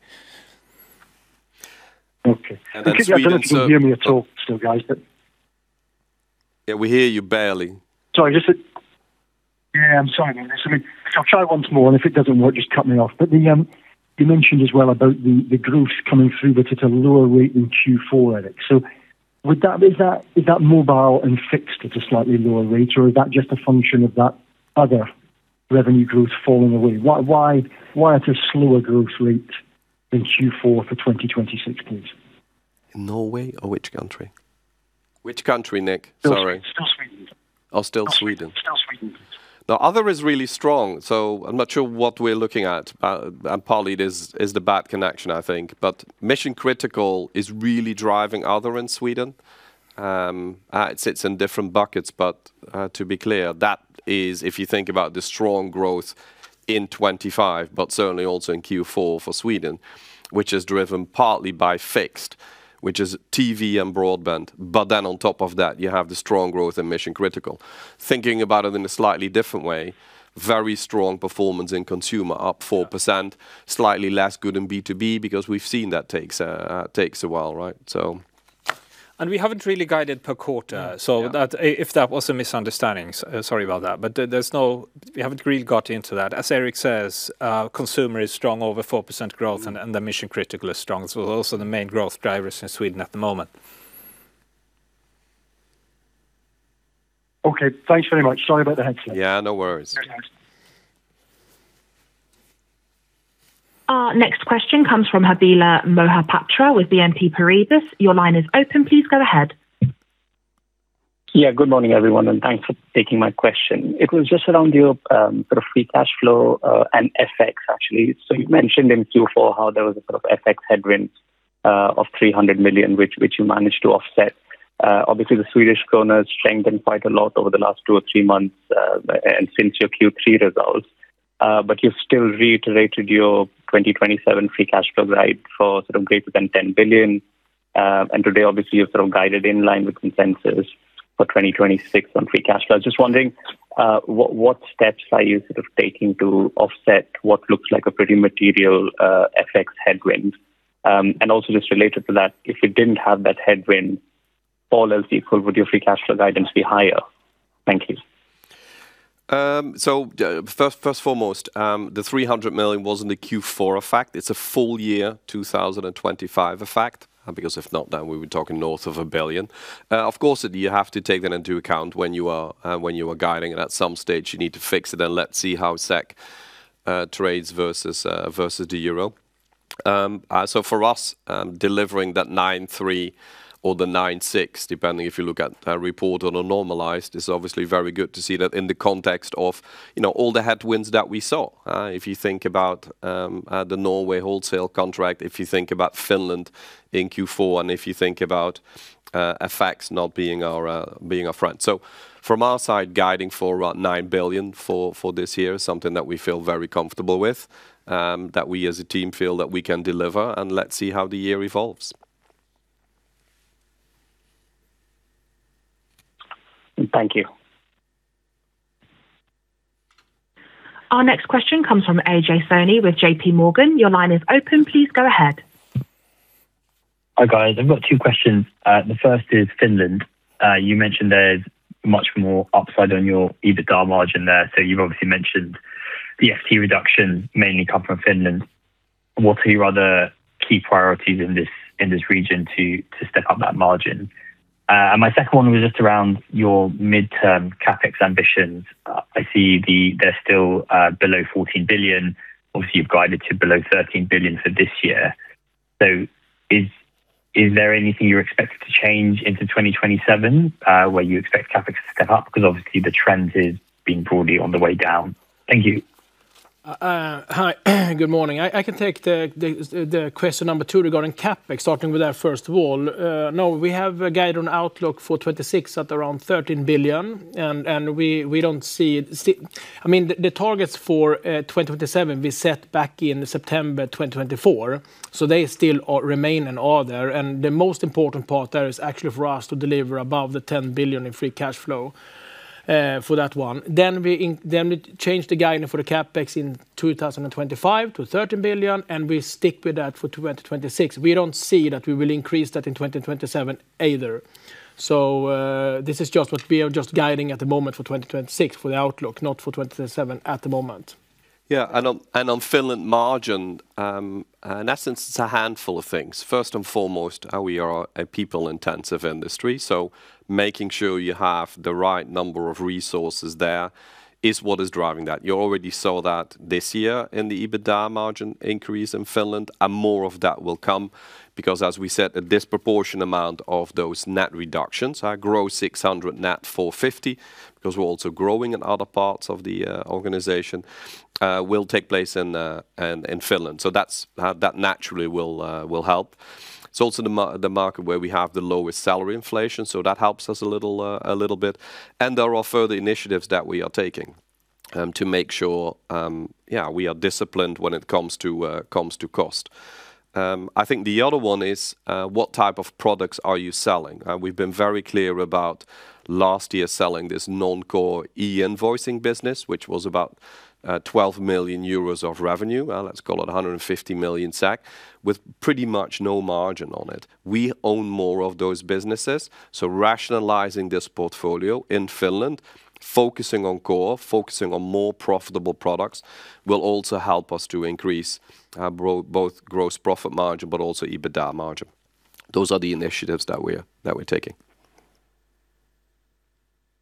Okay. I think you can hear me at all still, guys. Yeah, we hear you barely. Yeah, I'm sorry, Nick. So I'll try once more, and if it doesn't work, just cut me off. But you mentioned as well about the growth coming through, but at a lower rate in Q4, Eric. So is that mobile and fixed at a slightly lower rate, or is that just a function of that other revenue growth falling away? Why at a slower growth rate than Q4 for 2026, please? In Norway or which country? Which country, Nick? Sorry. Still Sweden. Oh, still Sweden. Still Sweden. The other is really strong. So I'm not sure what we're looking at. And partly it is the bad connection, I think. But mission critical is really driving other in Sweden. It sits in different buckets, but to be clear, that is if you think about the strong growth in 2025, but certainly also in Q4 for Sweden, which is driven partly by fixed, which is TV and broadband. But then on top of that, you have the strong growth in mission critical. Thinking about it in a slightly different way, very strong performance in consumer up 4%, slightly less good in B2B because we've seen that takes a while, right? We haven't really guided per quarter. So if that was a misunderstanding, sorry about that, but we haven't really got into that. As Eric says, consumer is strong over 4% growth, and the mission critical is strong. It's also the main growth drivers in Sweden at the moment. Okay. Thanks very much. Sorry about the headset. Yeah, no worries. Next question comes from Abhilash Mohapatra with BNP Paribas. Your line is open. Please go ahead. Yeah, good morning, everyone, and thanks for taking my question. It was just around your sort of free cash flow and FX, actually. So you mentioned in Q4 how there was a sort of FX headwind of 300 million, which you managed to offset. Obviously, the Swedish krona has strengthened quite a lot over the last two or three months since your Q3 results. But you've still reiterated your 2027 free cash flow guide for sort of greater than 10 billion. And today, obviously, you've sort of guided in line with consensus for 2026 on free cash flow. Just wondering what steps are you sort of taking to offset what looks like a pretty material FX headwind? And also just related to that, if you didn't have that headwind, all else equal, would your free cash flow guidance be higher? Thank you. So first foremost, the 300 million wasn't a Q4 effect. It's a full year, 2025 effect. Because if not, then we would be talking north of 1 billion. Of course, you have to take that into account when you are guiding. At some stage, you need to fix it, and let's see how SEK trades versus the euro. So for us, delivering that 9.3 or the 9.6, depending if you look at report on a normalized, is obviously very good to see that in the context of all the headwinds that we saw. If you think about the Norway wholesale contract, if you think about Finland in Q4, and if you think about FX not being our friend. So from our side, guiding for around 9 billion for this year is something that we feel very comfortable with, that we as a team feel that we can deliver. Let's see how the year evolves. Thank you. Our next question comes from Akhil Dattani with JPMorgan. Your line is open. Please go ahead. Hi guys. I've got two questions. The first is Finland. You mentioned there's much more upside on your EBITDA margin there. So you've obviously mentioned the FTE reduction mainly coming from Finland. What are your other key priorities in this region to step up that margin? And my second one was just around your midterm CapEx ambitions. I see they're still below 14 billion. Obviously, you've guided to below 13 billion for this year. So is there anything you expect to change into 2027 where you expect CapEx to step up? Because obviously, the trend is being broadly on the way down. Thank you. Hi, good morning. I can take the question number 2 regarding CapEx, starting with that first of all. No, we have a guided outlook for 2026 at around 13 billion. And we don't see, I mean, the targets for 2027, we set back in September 2024. So they still remain in order. And the most important part there is actually for us to deliver above the 10 billion in Free Cash Flow for that one. Then we change the guidance for the CapEx in 2025 to 13 billion, and we stick with that for 2026. We don't see that we will increase that in 2027 either. So this is just what we are just guiding at the moment for 2026 for the outlook, not for 2027 at the moment. Yeah, and on Finland margin, in essence, it's a handful of things. First and foremost, we are a people-intensive industry. So making sure you have the right number of resources there is what is driving that. You already saw that this year in the EBITDA margin increase in Finland. And more of that will come because, as we said, a disproportionate amount of those net reductions, gross 600, net 450, because we're also growing in other parts of the organization, will take place in Finland. So that naturally will help. It's also the market where we have the lowest salary inflation. So that helps us a little bit. And there are further initiatives that we are taking to make sure, yeah, we are disciplined when it comes to cost. I think the other one is what type of products are you selling? We've been very clear about last year selling this non-core e-invoicing business, which was about 12 million euros of revenue. Let's call it 150 million, with pretty much no margin on it. We own more of those businesses. So rationalizing this portfolio in Finland, focusing on core, focusing on more profitable products, will also help us to increase both gross profit margin, but also EBITDA margin. Those are the initiatives that we're taking.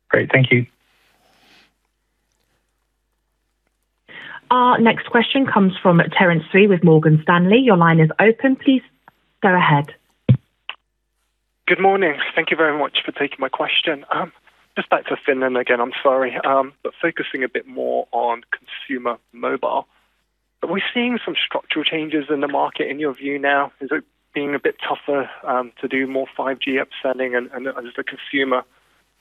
Great. Thank you. Next question comes from Terence Tsui with Morgan Stanley. Your line is open. Please go ahead. Good morning. Thank you very much for taking my question. Just back to Finland again, I'm sorry, but focusing a bit more on consumer mobile. But we're seeing some structural changes in the market in your view now. Is it being a bit tougher to do more 5G upselling and the consumer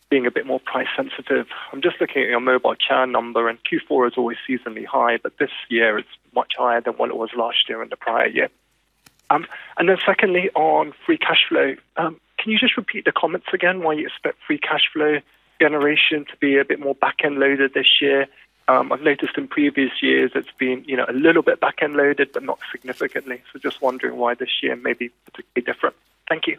being a bit more price sensitive? I'm just looking at your mobile CAN number, and Q4 is always seasonally high, but this year it's much higher than what it was last year and the prior year. And then secondly, on free cash flow, can you just repeat the comments again? Why you expect free cash flow generation to be a bit more back-end loaded this year? I've noticed in previous years it's been a little bit back-end loaded, but not significantly. So just wondering why this year may be particularly different. Thank you.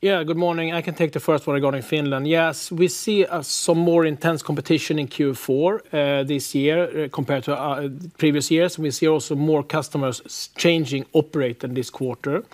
Yeah, good morning. I can take the first one regarding Finland. Yes, we see some more intense competition in Q4 this year compared to previous years. We see also more customers changing operator in this quarter.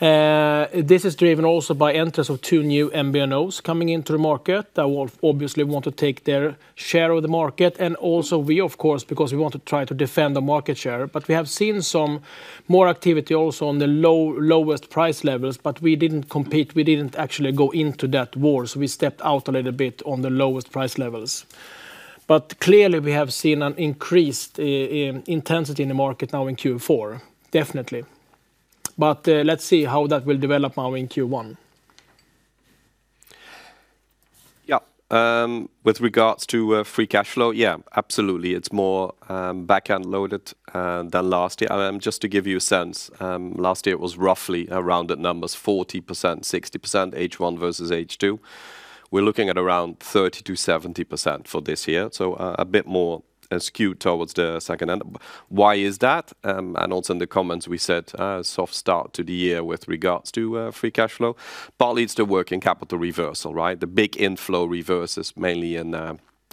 This is driven also by entry of two new MVNOs coming into the market that will obviously want to take their share of the market. And also we, of course, because we want to try to defend our market share. But we have seen some more activity also on the lowest price levels, but we didn't compete. We didn't actually go into that war. So we stepped out a little bit on the lowest price levels. But clearly, we have seen an increased intensity in the market now in Q4, definitely. But let's see how that will develop now in Q1. Yeah, with regards to free cash flow, yeah, absolutely. It's more back-end loaded than last year. Just to give you a sense, last year it was roughly around the numbers, 40%, 60%, H1 versus H2. We're looking at around 30%-70% for this year. So a bit more skewed towards the second end. Why is that? And also in the comments, we said soft start to the year with regards to free cash flow, partly it's the working capital reversal, right? The big inflow reverses mainly in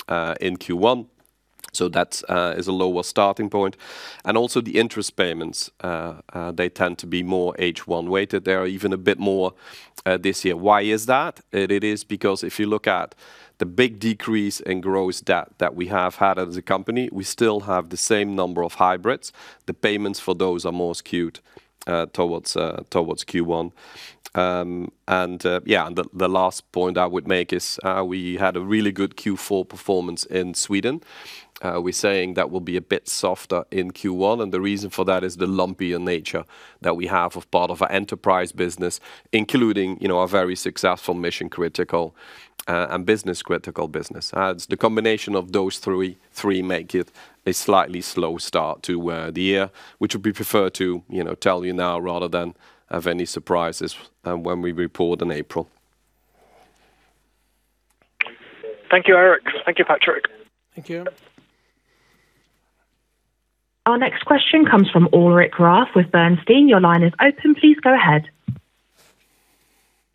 Q1. So that is a lower starting point. And also the interest payments, they tend to be more H1 weighted. They're even a bit more this year. Why is that? It is because if you look at the big decrease in gross debt that we have had as a company, we still have the same number of hybrids. The payments for those are more skewed towards Q1. Yeah, the last point I would make is we had a really good Q4 performance in Sweden. We're saying that will be a bit softer in Q1. The reason for that is the lumpier nature that we have of part of our enterprise business, including our very successful mission critical and business critical business. The combination of those three makes it a slightly slow start to the year, which would be preferred to tell you now rather than have any surprises when we report in April. Thank you, Eric. Thank you, Patrik. Thank you. Our next question comes from Ulrich Rathe with Bernstein. Your line is open. Please go ahead.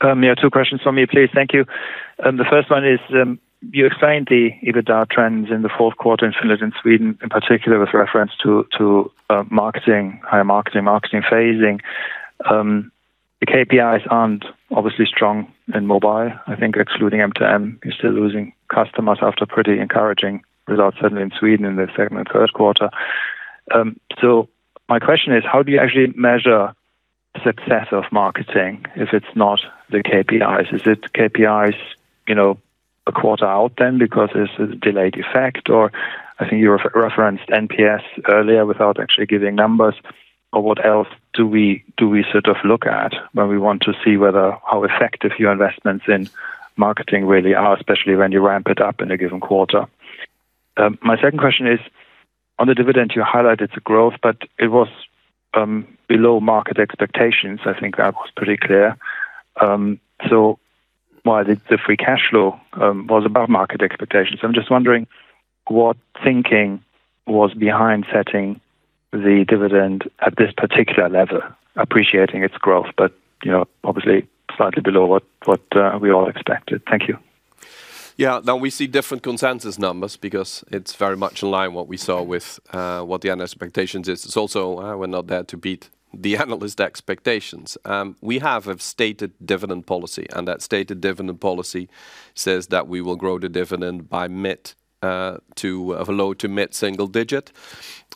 Yeah, two questions from me, please. Thank you. The first one is you explained the EBITDA trends in the fourth quarter in Finland and Sweden, in particular with reference to marketing, higher marketing, marketing phasing. The KPIs aren't obviously strong in mobile. I think excluding M2M, you're still losing customers after pretty encouraging results, certainly in Sweden in the second and third quarter. So my question is, how do you actually measure the success of marketing if it's not the KPIs? Is it KPIs a quarter out then because it's a delayed effect? Or I think you referenced NPS earlier without actually giving numbers. Or what else do we sort of look at when we want to see how effective your investments in marketing really are, especially when you ramp it up in a given quarter? My second question is, on the dividend, you highlighted the growth, but it was below market expectations. I think that was pretty clear. So while the free cash flow was above market expectations, I'm just wondering what thinking was behind setting the dividend at this particular level, appreciating its growth, but obviously slightly below what we all expected. Thank you. Yeah, now we see different consensus numbers because it's very much in line with what the expectations is. It's also we're not there to beat the analyst expectations. We have a stated dividend policy, and that stated dividend policy says that we will grow the dividend by low- to mid-single-digit.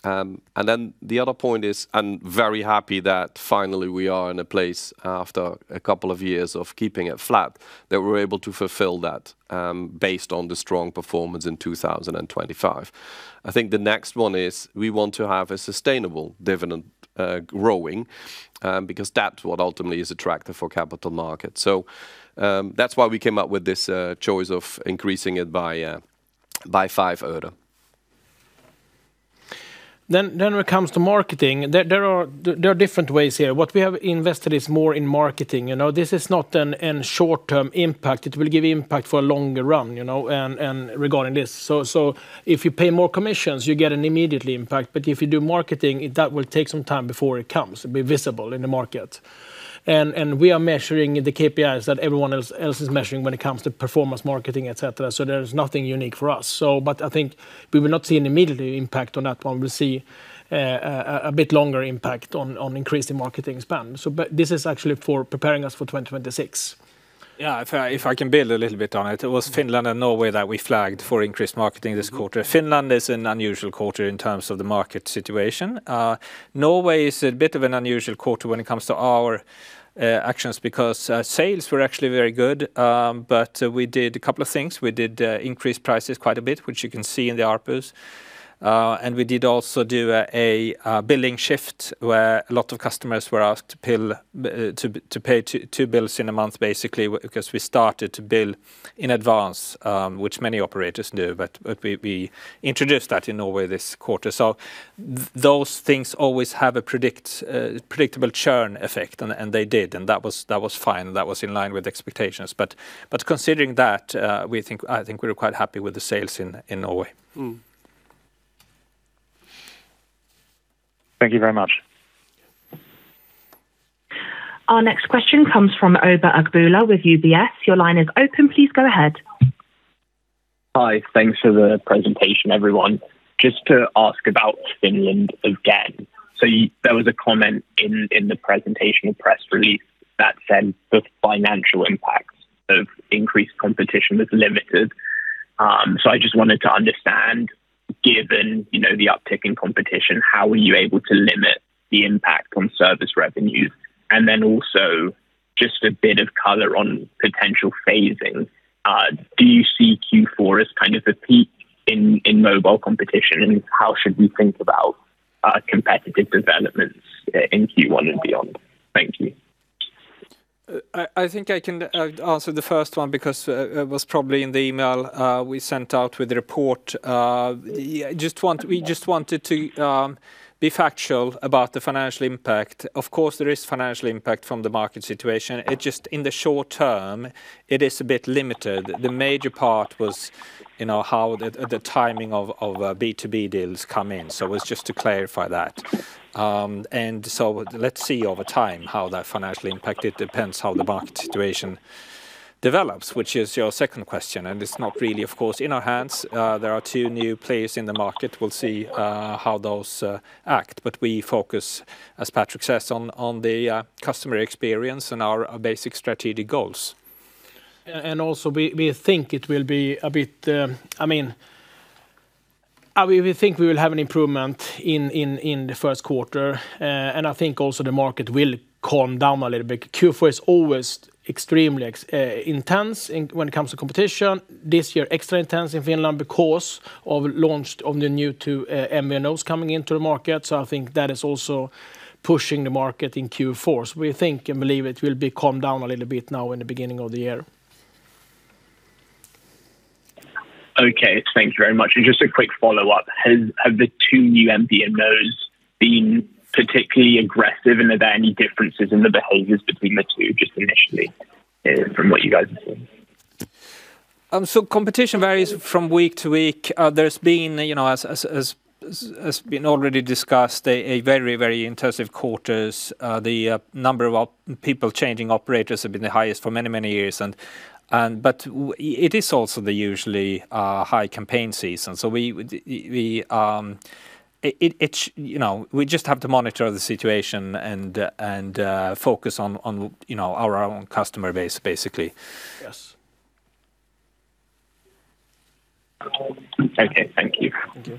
And then the other point is, I'm very happy that finally we are in a place after a couple of years of keeping it flat that we're able to fulfill that based on the strong performance in 2025. I think the next one is we want to have a sustainable dividend growing because that's what ultimately is attractive for capital markets. So that's why we came up with this choice of increasing it by 5%. When it comes to marketing, there are different ways here. What we have invested is more in marketing. This is not a short-term impact. It will give impact for a longer run regarding this. If you pay more commissions, you get an immediate impact. But if you do marketing, that will take some time before it comes to be visible in the market. We are measuring the KPIs that everyone else is measuring when it comes to performance marketing, etc. There's nothing unique for us. But I think we will not see an immediate impact on that one. We'll see a bit longer impact on increasing marketing spend. This is actually for preparing us for 2026. Yeah, if I can build a little bit on it, it was Finland and Norway that we flagged for increased marketing this quarter. Finland is an unusual quarter in terms of the market situation. Norway is a bit of an unusual quarter when it comes to our actions because sales were actually very good. But we did a couple of things. We did increase prices quite a bit, which you can see in the ARPUs. And we did also do a billing shift where a lot of customers were asked to pay two bills in a month, basically, because we started to bill in advance, which many operators knew. But we introduced that in Norway this quarter. So those things always have a predictable churn effect, and they did. And that was fine. That was in line with expectations. But considering that, I think we were quite happy with the sales in Norway. Thank you very much. Our next question comes from Oba Agboola with UBS. Your line is open. Please go ahead. Hi, thanks for the presentation, everyone. Just to ask about Finland again. So there was a comment in the presentation or press release that said the financial impact of increased competition is limited. So I just wanted to understand, given the uptick in competition, how were you able to limit the impact on service revenues? And then also just a bit of color on potential phasing. Do you see Q4 as kind of a peak in mobile competition? And how should we think about competitive developments in Q1 and beyond? Thank you. I think I can answer the first one because it was probably in the email we sent out with the report. We just wanted to be factual about the financial impact. Of course, there is financial impact from the market situation. Just in the short term, it is a bit limited. The major part was how the timing of B2B deals come in. So it was just to clarify that. And so let's see over time how that financially impacted. It depends how the market situation develops, which is your second question. And it's not really, of course, in our hands. There are two new players in the market. We'll see how those act. But we focus, as Patrik says, on the customer experience and our basic strategic goals. And also we think it will be a bit, I mean, we think we will have an improvement in the first quarter. I think also the market will calm down a little bit. Q4 is always extremely intense when it comes to competition. This year, extra intense in Finland because of the launch of the new two MNOs coming into the market. I think that is also pushing the market in Q4. We think and believe it will be calmed down a little bit now in the beginning of the year. Okay, thank you very much. Just a quick follow-up. Have the two new MVNOs been particularly aggressive? Are there any differences in the behaviors between the two, just initially, from what you guys have seen? So competition varies from week to week. There's been, as has been already discussed, a very, very intensive quarter. The number of people changing operators has been the highest for many, many years. But it is also the usually high campaign season. So we just have to monitor the situation and focus on our own customer base, basically. Yes. Okay, thank you. Thank you.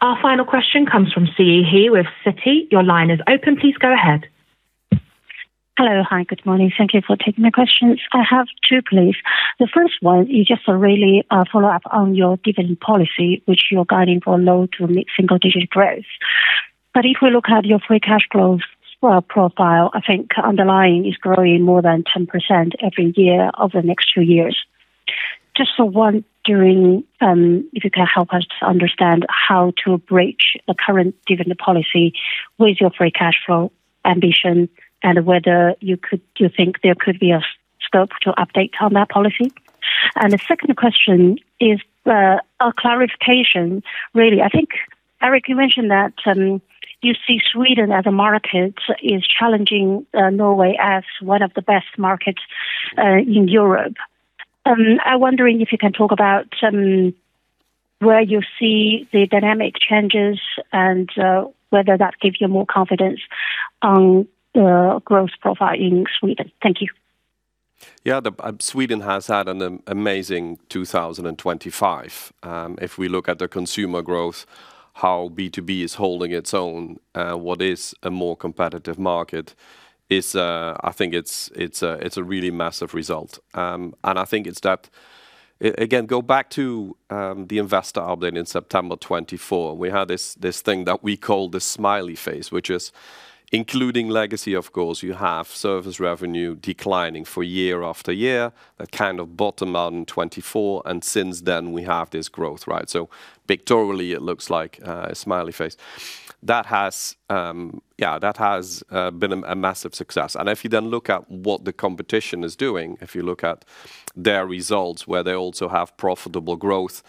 Our final question comes from Siyi He with Citi. Your line is open. Please go ahead. Hello, hi, good morning. Thank you for taking my questions. I have two, please. The first one, you just really follow up on your dividend policy, which you're guiding for low- to mid-single-digit growth. But if we look at your free cash flow profile, I think underlying is growing more than 10% every year over the next two years. Just for one, if you can help us to understand how to bridge the current dividend policy, what is your free cash flow ambition, and whether you think there could be a scope to update on that policy? And the second question is a clarification, really. I think, Eric, you mentioned that you see Sweden as a market is challenging Norway as one of the best markets in Europe. I'm wondering if you can talk about where you see the dynamic changes and whether that gives you more confidence on the growth profile in Sweden. Thank you. Yeah, Sweden has had an amazing 2025. If we look at the consumer growth, how B2B is holding its own, what is a more competitive market, I think it's a really massive result. And I think it's that, again, go back to the investor update in September 2024. We had this thing that we call the smiley face, which is including legacy, of course. You have service revenue declining for year after year, that kind of bottom out in 2024. And since then, we have this growth, right? So pictorially, it looks like a smiley face. Yeah, that has been a massive success. And if you then look at what the competition is doing, if you look at their results, where they also have profitable growth,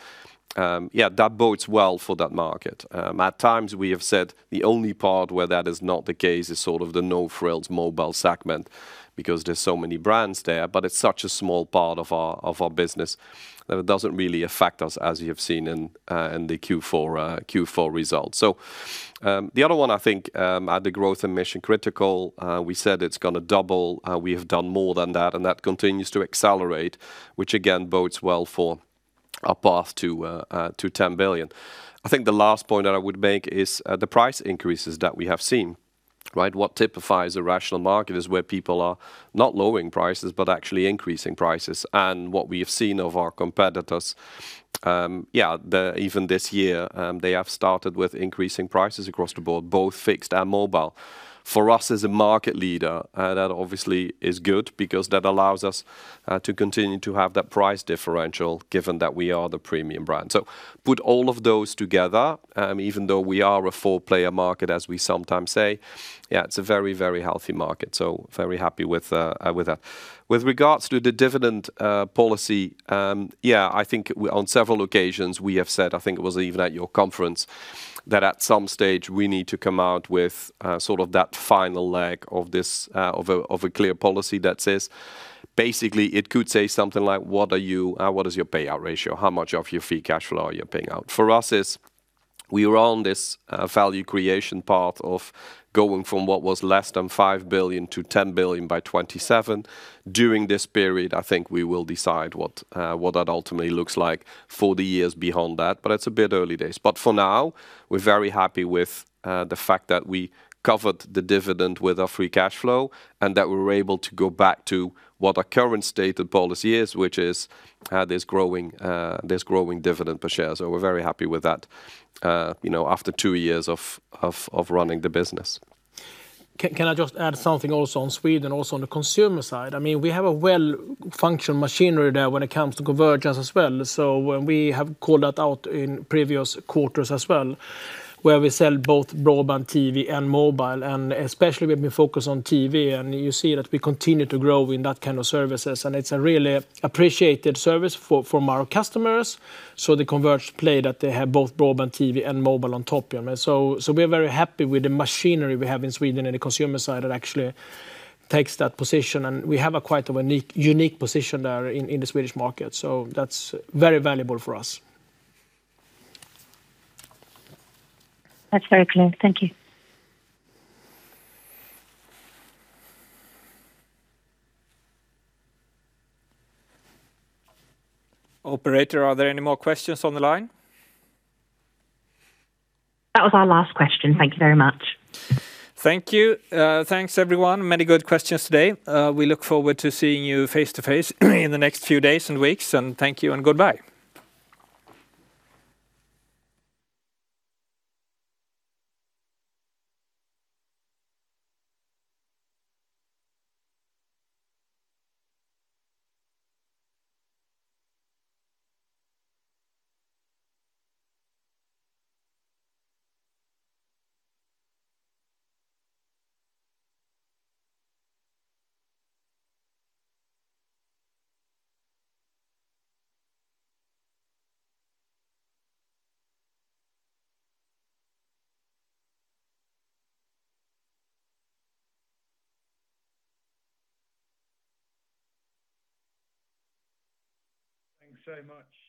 yeah, that bodes well for that market. At times, we have said the only part where that is not the case is sort of the no-frills mobile segment because there's so many brands there. But it's such a small part of our business that it doesn't really affect us, as you have seen in the Q4 results. So the other one, I think, at the growth and mission critical, we said it's going to double. We have done more than that, and that continues to accelerate, which again bodes well for our path to 10 billion. I think the last point that I would make is the price increases that we have seen, right? What typifies a rational market is where people are not lowering prices, but actually increasing prices. And what we have seen of our competitors, yeah, even this year, they have started with increasing prices across the board, both fixed and mobile. For us as a market leader, that obviously is good because that allows us to continue to have that price differential given that we are the premium brand. So put all of those together, even though we are a four-player market, as we sometimes say, yeah, it's a very, very healthy market. So very happy with that. With regards to the dividend policy, yeah, I think on several occasions we have said, I think it was even at your conference, that at some stage we need to come out with sort of that final leg of a clear policy that says basically it could say something like, what is your payout ratio? How much of your free cash flow are you paying out? For us, we are on this value creation part of going from what was less than 5 billion to 10 billion by 2027. During this period, I think we will decide what that ultimately looks like for the years beyond that. It's a bit early days. For now, we're very happy with the fact that we covered the dividend with our Free Cash Flow and that we were able to go back to what our current stated policy is, which is this growing dividend per share. We're very happy with that after two years of running the business. Can I just add something also on Sweden, also on the consumer side? I mean, we have a well-functioned machinery there when it comes to convergence as well. So we have called that out in previous quarters as well, where we sell both broadband TV and mobile. And especially we've been focused on TV. And you see that we continue to grow in that kind of services. And it's a really appreciated service for our customers. So the converged play that they have both broadband TV and mobile on top. So we're very happy with the machinery we have in Sweden and the consumer side that actually takes that position. And we have a quite unique position there in the Swedish market. So that's very valuable for us. That's very clear. Thank you. Operator, are there any more questions on the line? That was our last question. Thank you very much. Thank you. Thanks, everyone. Many good questions today. We look forward to seeing you face to face in the next few days and weeks. Thank you and goodbye. Thanks so much.